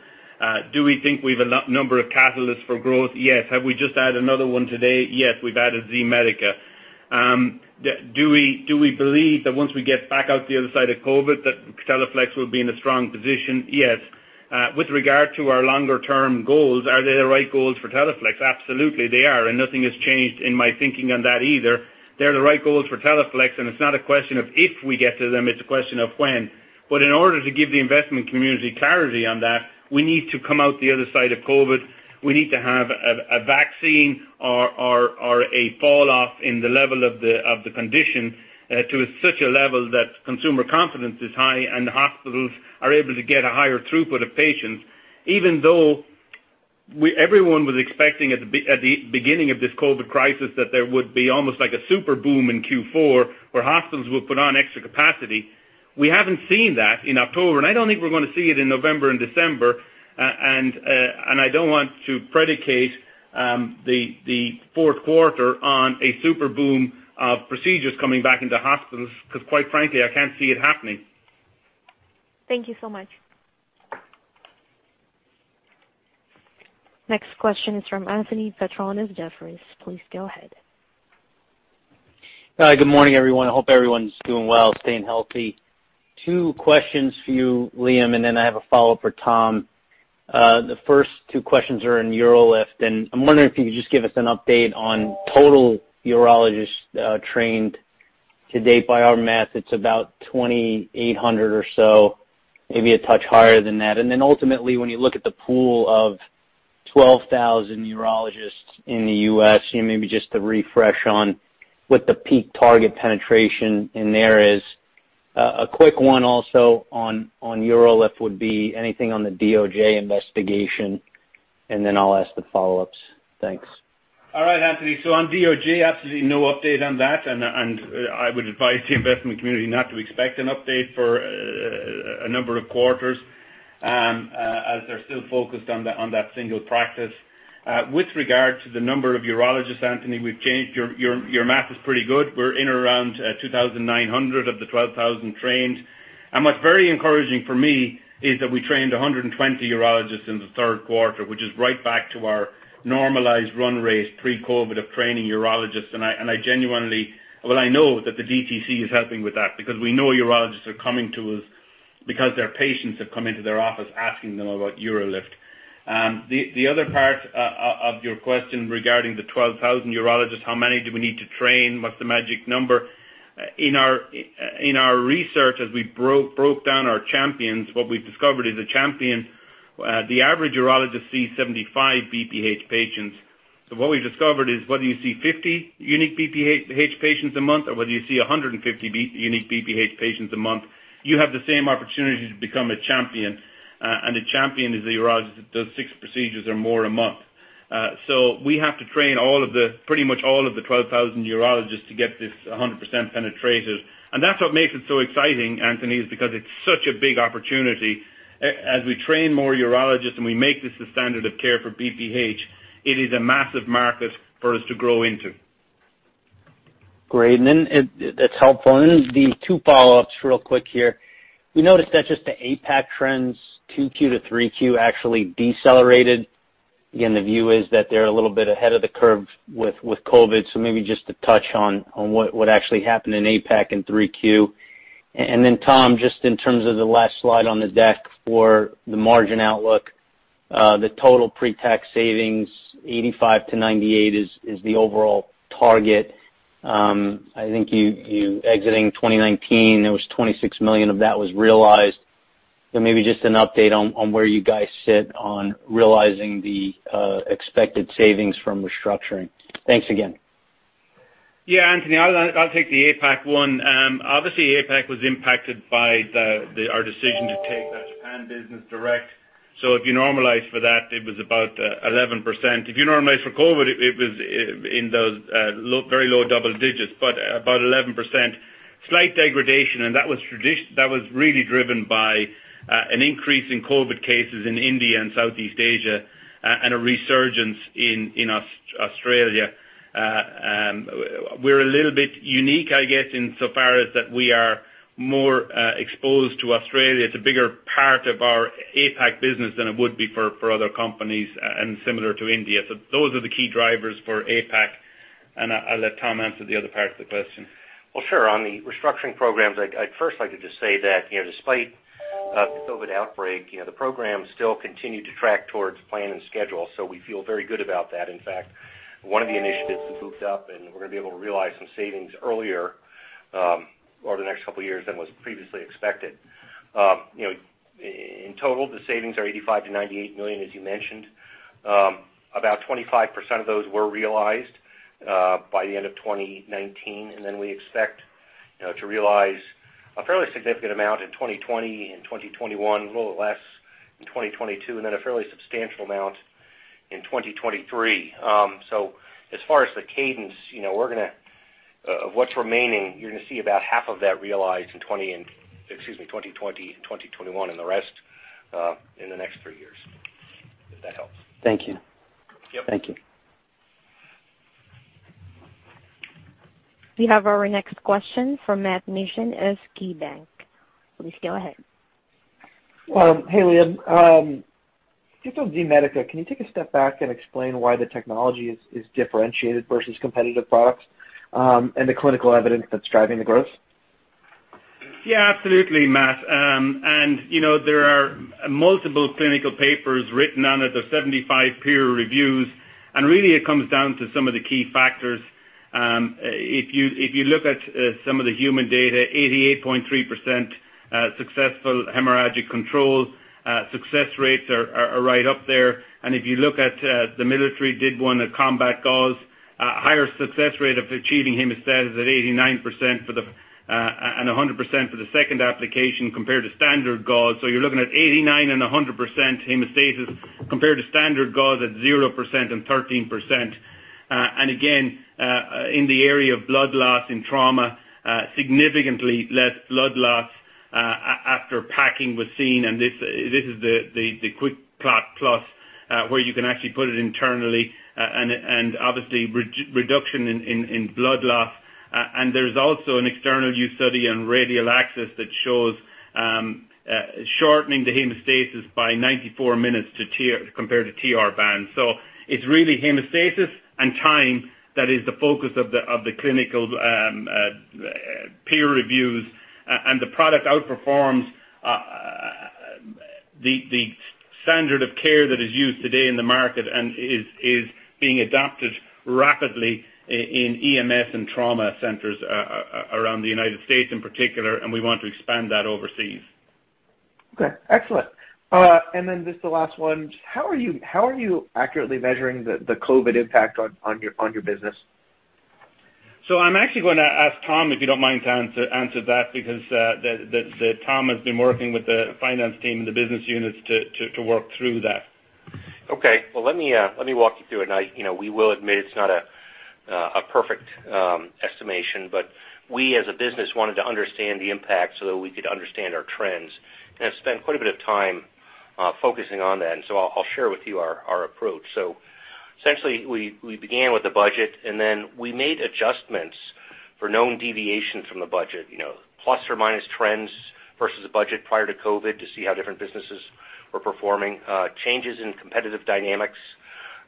Do we think we've a number of catalysts for growth? Yes. Have we just added another one today? Yes, we've added Z-Medica. Do we believe that once we get back out the other side of COVID, that Teleflex will be in a strong position? Yes. With regard to our longer-term goals, are they the right goals for Teleflex? Absolutely, they are, and nothing has changed in my thinking on that either. They're the right goals for Teleflex, and it's not a question of if we get to them, it's a question of when. In order to give the investment community clarity on that, we need to come out the other side of COVID. We need to have a vaccine or a fall off in the level of the condition to such a level that consumer confidence is high and the hospitals are able to get a higher throughput of patients. Even though everyone was expecting at the beginning of this COVID crisis that there would be almost like a super boom in Q4, where hospitals would put on extra capacity. We haven't seen that in October, and I don't think we're going to see it in November and December. I don't want to predicate the fourth quarter on a super boom of procedures coming back into hospitals, because quite frankly, I can't see it happening. Thank you so much. Next question is from Anthony Petrone at Jefferies. Please go ahead. Hi, good morning, everyone. Hope everyone's doing well, staying healthy. Two questions for you, Liam, and then I have a follow-up for Tom. The first two questions are in UroLift, and I'm wondering if you could just give us an update on total urologists trained to date. By our math, it's about 2,800 or so, maybe a touch higher than that. Ultimately, when you look at the pool of 12,000 urologists in the U.S., maybe just a refresh on what the peak target penetration in there is. A quick one also on UroLift would be anything on the DOJ investigation, and then I'll ask the follow-ups. Thanks. All right, Anthony. On DOJ, absolutely no update on that. I would advise the investment community not to expect an update for a number of quarters, as they're still focused on that single practice. With regard to the number of urologists, Anthony, your math is pretty good. We're in around 2,900 of the 12,000 trained. What's very encouraging for me is that we trained 120 urologists in the third quarter, which is right back to our normalized run rate pre-COVID of training urologists. I know that the DTC is helping with that because we know urologists are coming to us because their patients have come into their office asking them about UroLift. The other part of your question regarding the 12,000 urologists, how many do we need to train? What's the magic number? In our research, as we broke down our champions, what we've discovered is the average urologist sees 75 BPH patients. What we've discovered is whether you see 50 unique BPH patients a month or whether you see 150 unique BPH patients a month, you have the same opportunity to become a champion. A champion is the urologist that does six procedures or more a month. We have to train pretty much all of the 12,000 urologists to get this 100% penetrated. That's what makes it so exciting, Anthony, is because it's such a big opportunity. As we train more urologists and we make this the standard of care for BPH, it is a massive market for us to grow into. Great. That's helpful. The two follow-ups real quick here. We noticed that just the APAC trends, 2Q-3Q actually decelerated. Again, the view is that they're a little bit ahead of the curve with COVID. Maybe just a touch on what actually happened in APAC in 3Q. Tom, just in terms of the last slide on the deck for the margin outlook, the total pre-tax savings, $85 million-$98 million is the overall target. I think exiting 2019, there was $26 million of that was realized. Maybe just an update on where you guys sit on realizing the expected savings from restructuring. Thanks again. Anthony, I'll take the APAC one. If you normalize for that, it was about 11%. If you normalize for COVID, it was in those very low double digits, but about 11%. Slight degradation, and that was really driven by an increase in COVID cases in India and Southeast Asia and a resurgence in Australia. We're a little bit unique, I guess, in so far as that we are more exposed to Australia. It's a bigger part of our APAC business than it would be for other companies and similar to India. Those are the key drivers for APAC, and I'll let Tom answer the other part of the question. Well, sure. On the restructuring programs, I'd first like to just say that despite the COVID outbreak, the program still continued to track towards plan and schedule. We feel very good about that. In fact, one of the initiatives has moved up, and we're going to be able to realize some savings earlier over the next couple of years than was previously expected. In total, the savings are $85 million-$98 million, as you mentioned. About 25% of those were realized by the end of 2019. We expect to realize a fairly significant amount in 2020 and 2021, a little less in 2022, and then a fairly substantial amount in 2023. As far as the cadence of what's remaining, you're going to see about half of that realized in 2020 and 2021 and the rest in the next three years, if that helps. Thank you. Yep. Thank you. We have our next question from Matt Mishan of KeyBanc. Please go ahead. Hey, Liam. Just on Z-Medica, can you take a step back and explain why the technology is differentiated versus competitive products and the clinical evidence that's driving the growth? Yeah, absolutely, Matt. There are multiple clinical papers written on it. There are 75 peer reviews, and really it comes down to some of the key factors. If you look at some of the human data, 88.3% successful hemorrhagic control. Success rates are right up there. If you look at the military did one, a Combat Gauze, a higher success rate of achieving hemostasis at 89% and 100% for the second application compared to standard gauze. You're looking at 89% and 100% hemostasis compared to standard gauze at 0% and 13%. Again, in the area of blood loss in trauma, significantly less blood loss after packing was seen. This is the QuikClot Control+, where you can actually put it internally and obviously reduction in blood loss. There's also an external use study on radial access that shows shortening the hemostasis by 94 minutes compared to TR Band. So it's really hemostasis and time that is the focus of the clinical peer reviews. The product outperforms the standard of care that is used today in the market and is being adopted rapidly in EMS and trauma centers around the U.S. in particular. We want to expand that overseas. Okay, excellent. Just the last one. How are you accurately measuring the COVID impact on your business? I'm actually going to ask Tom, if you don't mind, to answer that because Tom has been working with the finance team and the business units to work through that. Okay. Well, let me walk you through it. We will admit it's not a perfect estimation, but we as a business wanted to understand the impact so that we could understand our trends and have spent quite a bit of time focusing on that. I'll share with you our approach. Essentially, we began with the budget, and then we made adjustments for known deviations from the budget. Plus or minus trends versus budget prior to COVID to see how different businesses were performing. Changes in competitive dynamics,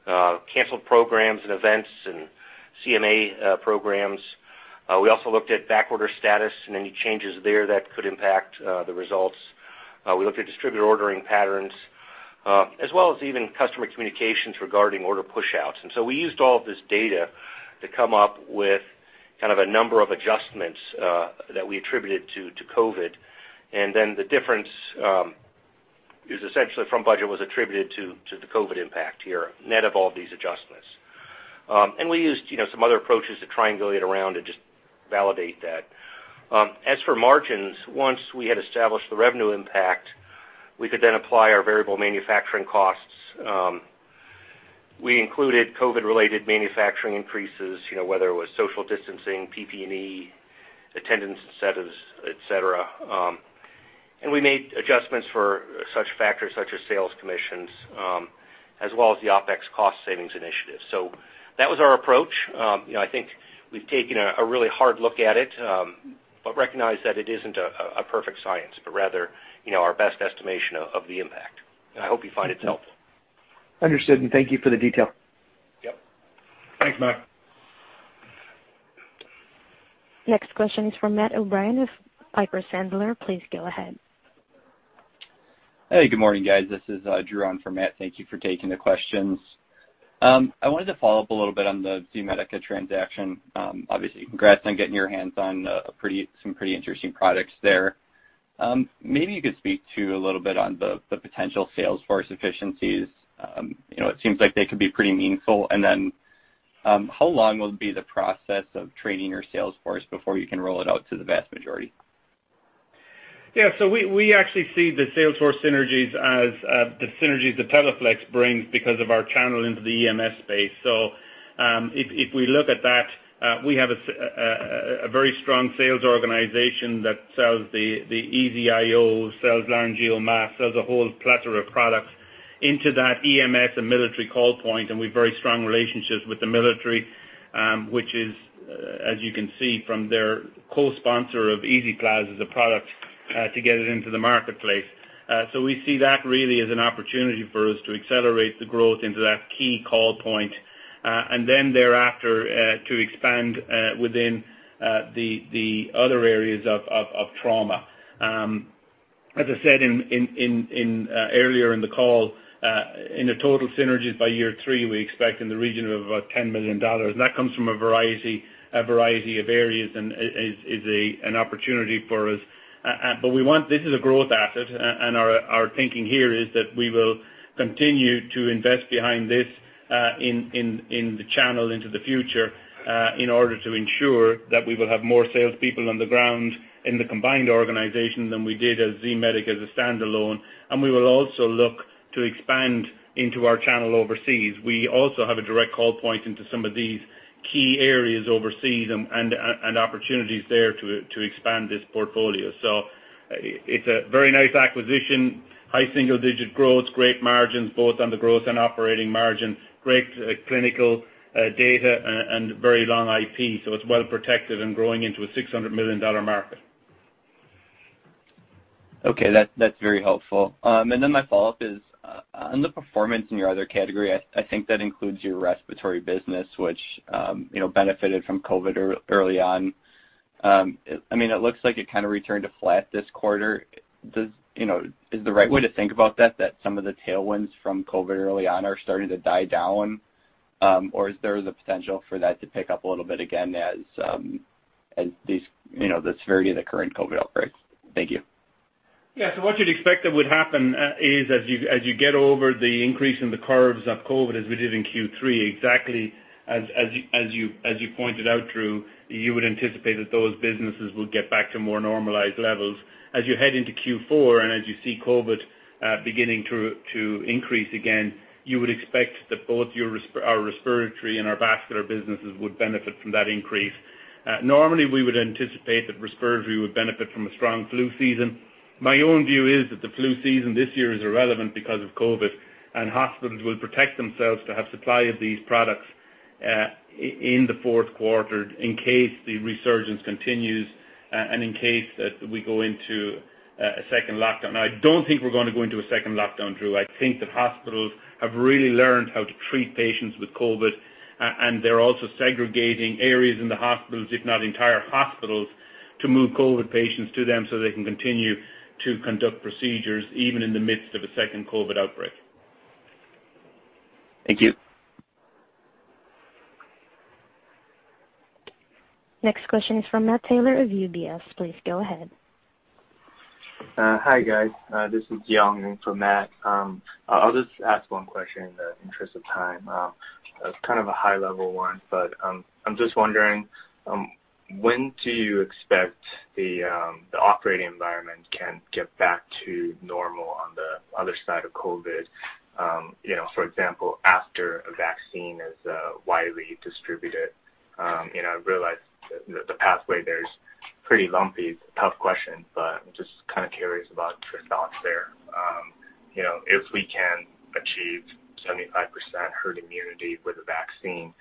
canceled programs and events, and CME programs. We also looked at backorder status and any changes there that could impact the results. We looked at distributor ordering patterns, as well as even customer communications regarding order pushouts. We used all of this data to come up with kind of a number of adjustments that we attributed to COVID. The difference is essentially from budget was attributed to the COVID impact here, net of all these adjustments. We used some other approaches to triangulate around and just validate that. As for margins, once we had established the revenue impact, we could then apply our variable manufacturing costs. We included COVID-related manufacturing increases, whether it was social distancing, PPE, attendance incentives, et cetera. We made adjustments for such factors such as sales commissions as well as the OpEx cost savings initiative. That was our approach. I think we've taken a really hard look at it, but recognize that it isn't a perfect science, but rather our best estimation of the impact. I hope you find it's helpful. Understood, and thank you for the detail. Yep. Thanks, Matt. Next question is from Matt O'Brien of Piper Sandler. Please go ahead. Hey, good morning, guys. This is Drew on for Matt. Thank you for taking the questions. I wanted to follow up a little bit on the Z-Medica transaction. Obviously, congrats on getting your hands on some pretty interesting products there. Maybe you could speak to a little bit on the potential sales force efficiencies. It seems like they could be pretty meaningful. Then how long will be the process of training your sales force before you can roll it out to the vast majority? Yeah. We actually see the sales force synergies as the synergies that Teleflex brings because of our channel into the EMS space. If we look at that, we have a very strong sales organization that sells the EZ-IO, sells laryngeal mask, sells a whole plethora of products into that EMS and military call point, and we've very strong relationships with the military, which is, as you can see from their co-sponsor of EZPLAZ as a product to get it into the marketplace. We see that really as an opportunity for us to accelerate the growth into that key call point, and then thereafter, to expand within the other areas of trauma. As I said earlier in the call, in the total synergies by year three, we expect in the region of about $10 million. That comes from a variety of areas and is an opportunity for us. This is a growth asset, and our thinking here is that we will continue to invest behind this in the channel into the future in order to ensure that we will have more salespeople on the ground in the combined organization than we did as Z-Medica as a standalone. We will also look to expand into our channel overseas. We also have a direct call point into some of these key areas overseas and opportunities there to expand this portfolio. It's a very nice acquisition, high single-digit growth, great margins, both on the growth and operating margin, great clinical data and very long IP. It's well protected and growing into a $600 million market. Okay. That's very helpful. My follow-up is, on the performance in your other category, I think that includes your respiratory business, which benefited from COVID early on. It looks like it kind of returned to flat this quarter. Is the right way to think about that some of the tailwinds from COVID early on are starting to die down? Or is there the potential for that to pick up a little bit again as the severity of the current COVID outbreaks? Thank you. Yeah. What you'd expect that would happen is as you get over the increase in the curves of COVID, as we did in Q3, exactly as you pointed out, Drew, you would anticipate that those businesses will get back to more normalized levels. As you head into Q4 and as you see COVID beginning to increase again, you would expect that both our respiratory and our vascular businesses would benefit from that increase. Normally, we would anticipate that respiratory would benefit from a strong flu season. My own view is that the flu season this year is irrelevant because of COVID, and hospitals will protect themselves to have supply of these products in the fourth quarter in case the resurgence continues and in case we go into a second lockdown. Now, I don't think we're going to go into a second lockdown, Drew. I think that hospitals have really learned how to treat patients with COVID, and they're also segregating areas in the hospitals, if not entire hospitals, to move COVID patients to them so they can continue to conduct procedures even in the midst of a second COVID outbreak. Thank you. Next question is from Matt Taylor of UBS. Please go ahead. Hi, guys. This is Yong in for Matt. I'll just ask one question in the interest of time. It's kind of a high-level one, but I'm just wondering, when do you expect the operating environment can get back to normal on the other side of COVID? For example, after a vaccine is widely distributed. I realize that the pathway there is pretty lumpy. It's a tough question, but I'm just kind of curious about your thoughts there. If we can achieve 75% herd immunity with a vaccine,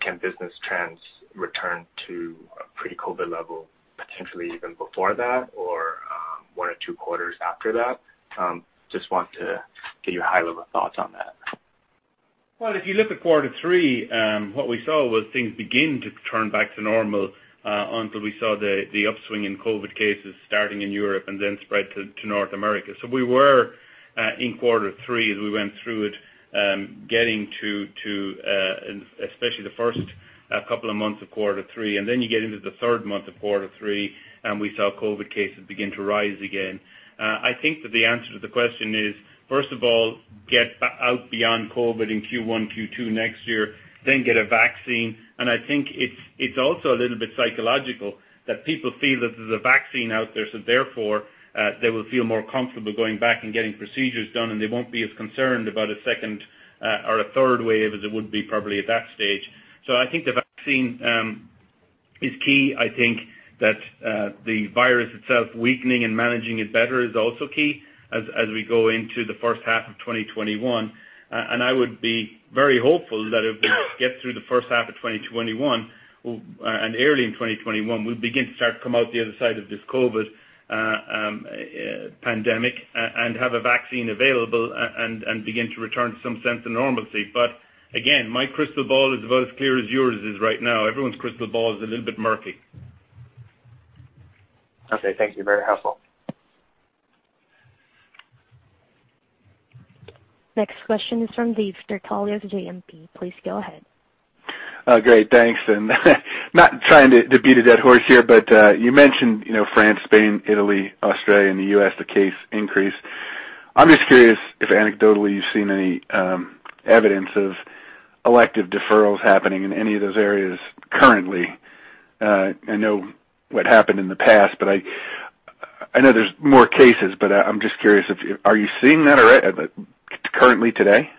can business trends return to a pre-COVID level, potentially even before that or one or two quarters after that? Just want to get your high-level thoughts on that. If you look at quarter three, what we saw was things begin to turn back to normal until we saw the upswing in COVID cases starting in Europe and then spread to North America. We were in quarter three as we went through it, getting to especially the first couple of months of quarter three, and then you get into the third month of quarter three, and we saw COVID cases begin to rise again. I think that the answer to the question is, first of all, get out beyond COVID in Q1, Q2 next year, then get a vaccine. I think it's also a little bit psychological that people feel that there's a vaccine out there, so therefore, they will feel more comfortable going back and getting procedures done, and they won't be as concerned about a second or a third wave as it would be probably at that stage. I think the vaccine is key. I think that the virus itself weakening and managing it better is also key as we go into the first half of 2021. I would be very hopeful that if we get through the first half of 2021 and early in 2021, we'll begin to start to come out the other side of this COVID pandemic and have a vaccine available and begin to return to some sense of normalcy. Again, my crystal ball is about as clear as yours is right now. Everyone's crystal ball is a little bit murky. Okay. Thank you. Very helpful. Next question is from Dave Turkaly at JMP. Please go ahead. Great. Thanks. Not trying to beat a dead horse here, but you mentioned France, Spain, Italy, Australia, and the U.S., the case increase. I'm just curious if anecdotally you've seen any evidence of elective deferrals happening in any of those areas currently. I know what happened in the past, but I know there's more cases, but I'm just curious if are you seeing that currently today?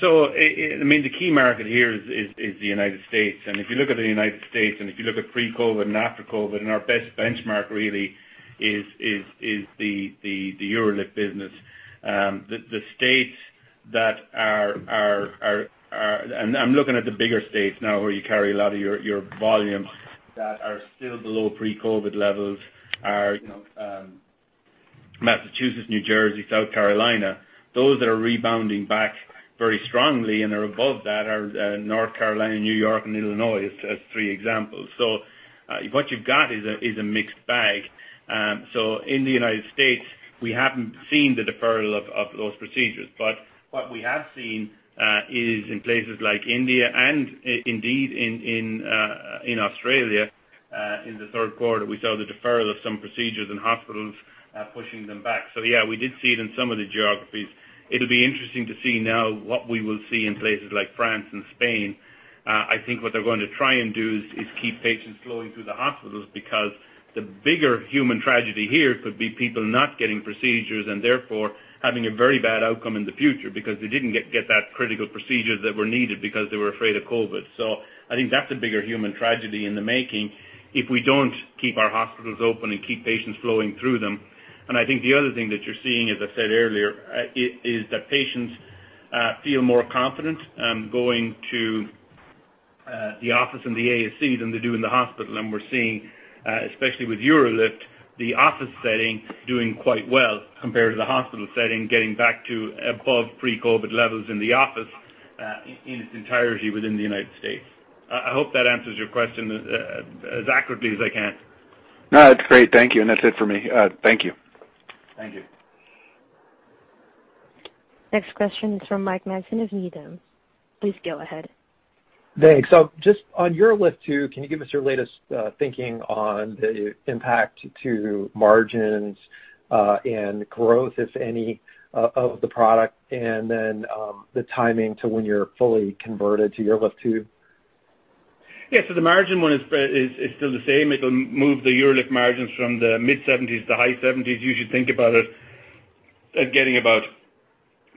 The key market here is the United States. If you look at the United States, and if you look at pre-COVID and after COVID, and our best benchmark really is the UroLift business. The states that I'm looking at the bigger states now, where you carry a lot of your volume that are still below pre-COVID levels are Massachusetts, New Jersey, South Carolina. Those that are rebounding back very strongly and are above that are North Carolina, New York, and Illinois as three examples. What you've got is a mixed bag. In the United States, we haven't seen the deferral of those procedures. What we have seen is in places like India and indeed in Australia, in the third quarter, we saw the deferral of some procedures and hospitals pushing them back. Yeah, we did see it in some of the geographies. It'll be interesting to see now what we will see in places like France and Spain. I think what they're going to try and do is keep patients flowing through the hospitals because the bigger human tragedy here could be people not getting procedures and therefore having a very bad outcome in the future because they didn't get that critical procedures that were needed because they were afraid of COVID. I think that's a bigger human tragedy in the making if we don't keep our hospitals open and keep patients flowing through them. I think the other thing that you're seeing, as I said earlier, is that patients feel more confident going to the office and the ASC than they do in the hospital. We're seeing, especially with UroLift, the office setting doing quite well compared to the hospital setting, getting back to above pre-COVID levels in the office, in its entirety within the United States. I hope that answers your question as accurately as I can. No, that's great. Thank you. That's it for me. Thank you. Thank you. Next question is from Mike Matson of Needham. Please go ahead. Thanks. Just on UroLift 2, can you give us your latest thinking on the impact to margins and growth, if any, of the product and then the timing to when you're fully converted to UroLift 2? Yeah. The margin one is still the same. It'll move the UroLift margins from the mid-70s to high 70s. You should think about it as getting about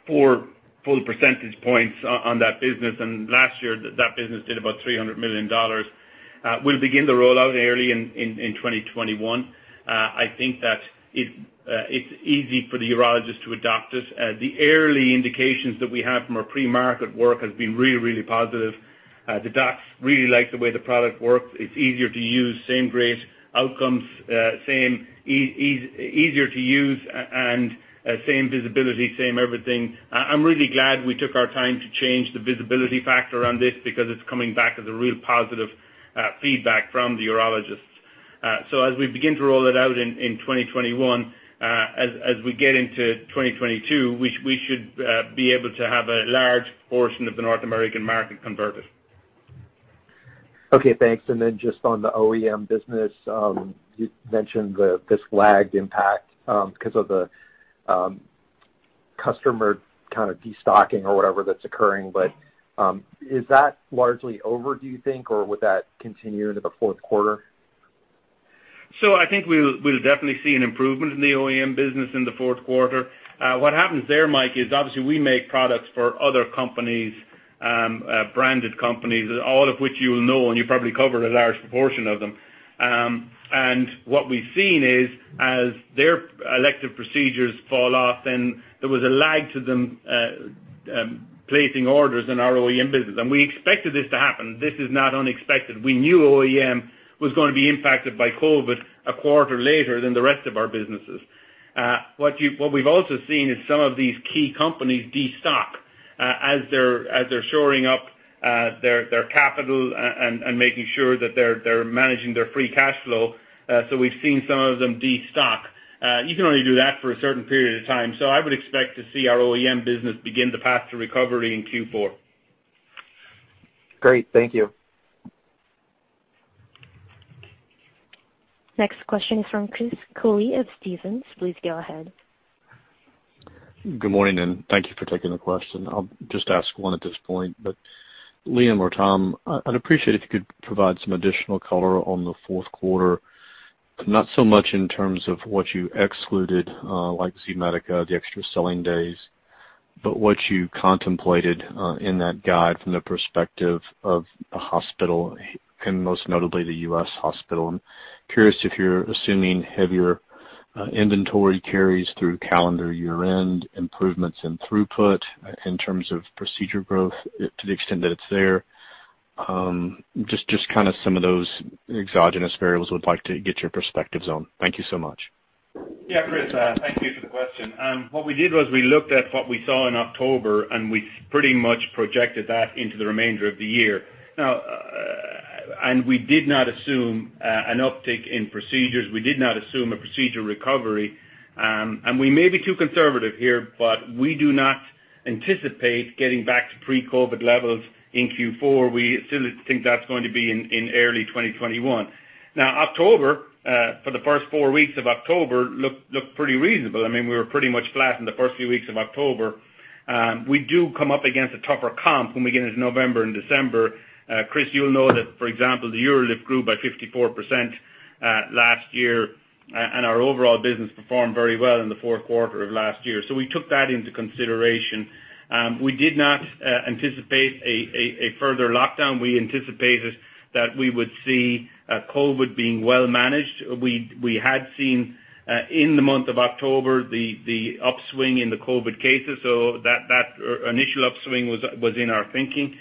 four full percentage points on that business. Last year, that business did about $300 million. We'll begin the rollout early in 2021. I think that it's easy for the urologist to adopt it. The early indications that we have from our pre-market work has been really, really positive. The docs really like the way the product works. It's easier to use, same great outcomes, easier to use and same visibility, same everything. I'm really glad we took our time to change the visibility factor on this because it's coming back as a real positive feedback from the urologists. As we begin to roll it out in 2021, as we get into 2022, we should be able to have a large portion of the North American market converted. Okay, thanks. Just on the OEM business, you mentioned this lagged impact because of the customer kind of destocking or whatever that's occurring. Is that largely over, do you think, or would that continue into the fourth quarter? I think we'll definitely see an improvement in the OEM business in the fourth quarter. What happens there, Mike, is obviously we make products for other companies, branded companies, all of which you will know, and you probably cover a large proportion of them. What we've seen is as their elective procedures fall off, then there was a lag to them placing orders in our OEM business. We expected this to happen. This is not unexpected. We knew OEM was going to be impacted by COVID a quarter later than the rest of our businesses. What we've also seen is some of these key companies destock as they're shoring up their capital and making sure that they're managing their free cash flow. We've seen some of them destock. You can only do that for a certain period of time. I would expect to see our OEM business begin the path to recovery in Q4. Great. Thank you. Next question is from Chris Cooley of Stephens. Please go ahead. Good morning, thank you for taking the question. I'll just ask one at this point, but Liam or Tom, I'd appreciate if you could provide some additional color on the fourth quarter, not so much in terms of what you excluded, like Z-Medica, the extra selling days, but what you contemplated in that guide from the perspective of a hospital and most notably the U.S. hospital. I'm curious if you're assuming heavier inventory carries through calendar year-end, improvements in throughput in terms of procedure growth to the extent that it's there. Just kind of some of those exogenous variables would like to get your perspectives on. Thank you so much. Yeah, Chris. Thank you for the question. What we did was we looked at what we saw in October, and we pretty much projected that into the remainder of the year. We did not assume an uptick in procedures. We did not assume a procedure recovery. We may be too conservative here, but we do not anticipate getting back to pre-COVID levels in Q4. We still think that's going to be in early 2021. Now, October, for the first four weeks of October, looked pretty reasonable. I mean, we were pretty much flat in the first few weeks of October. We do come up against a tougher comp when we get into November and December. Chris, you'll know that, for example, the UroLift grew by 54% last year, and our overall business performed very well in the fourth quarter of last year. We took that into consideration. We did not anticipate a further lockdown. We anticipated that we would see COVID being well managed. We had seen, in the month of October, the upswing in the COVID cases. That initial upswing was in our thinking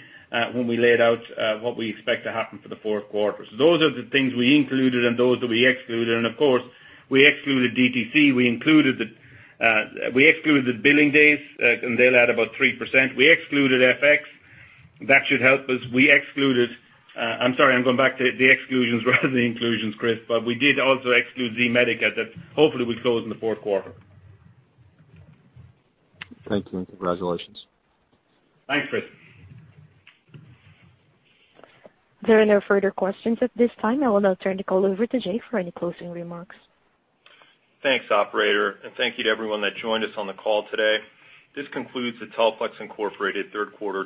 when we laid out what we expect to happen for the fourth quarter. Those are the things we included and those that we excluded. Of course, we excluded DTC. We excluded billing days, and they'll add about 3%. We excluded FX. That should help us. I'm sorry, I'm going back to the exclusions rather than the inclusions, Chris. We did also exclude Z-Medica that hopefully will close in the fourth quarter. Thank you, and congratulations. Thanks, Chris. There are no further questions at this time. I will now turn the call over to Jake for any closing remarks. Thanks, operator, and thank you to everyone that joined us on the call today. This concludes the Teleflex Incorporated third quarter.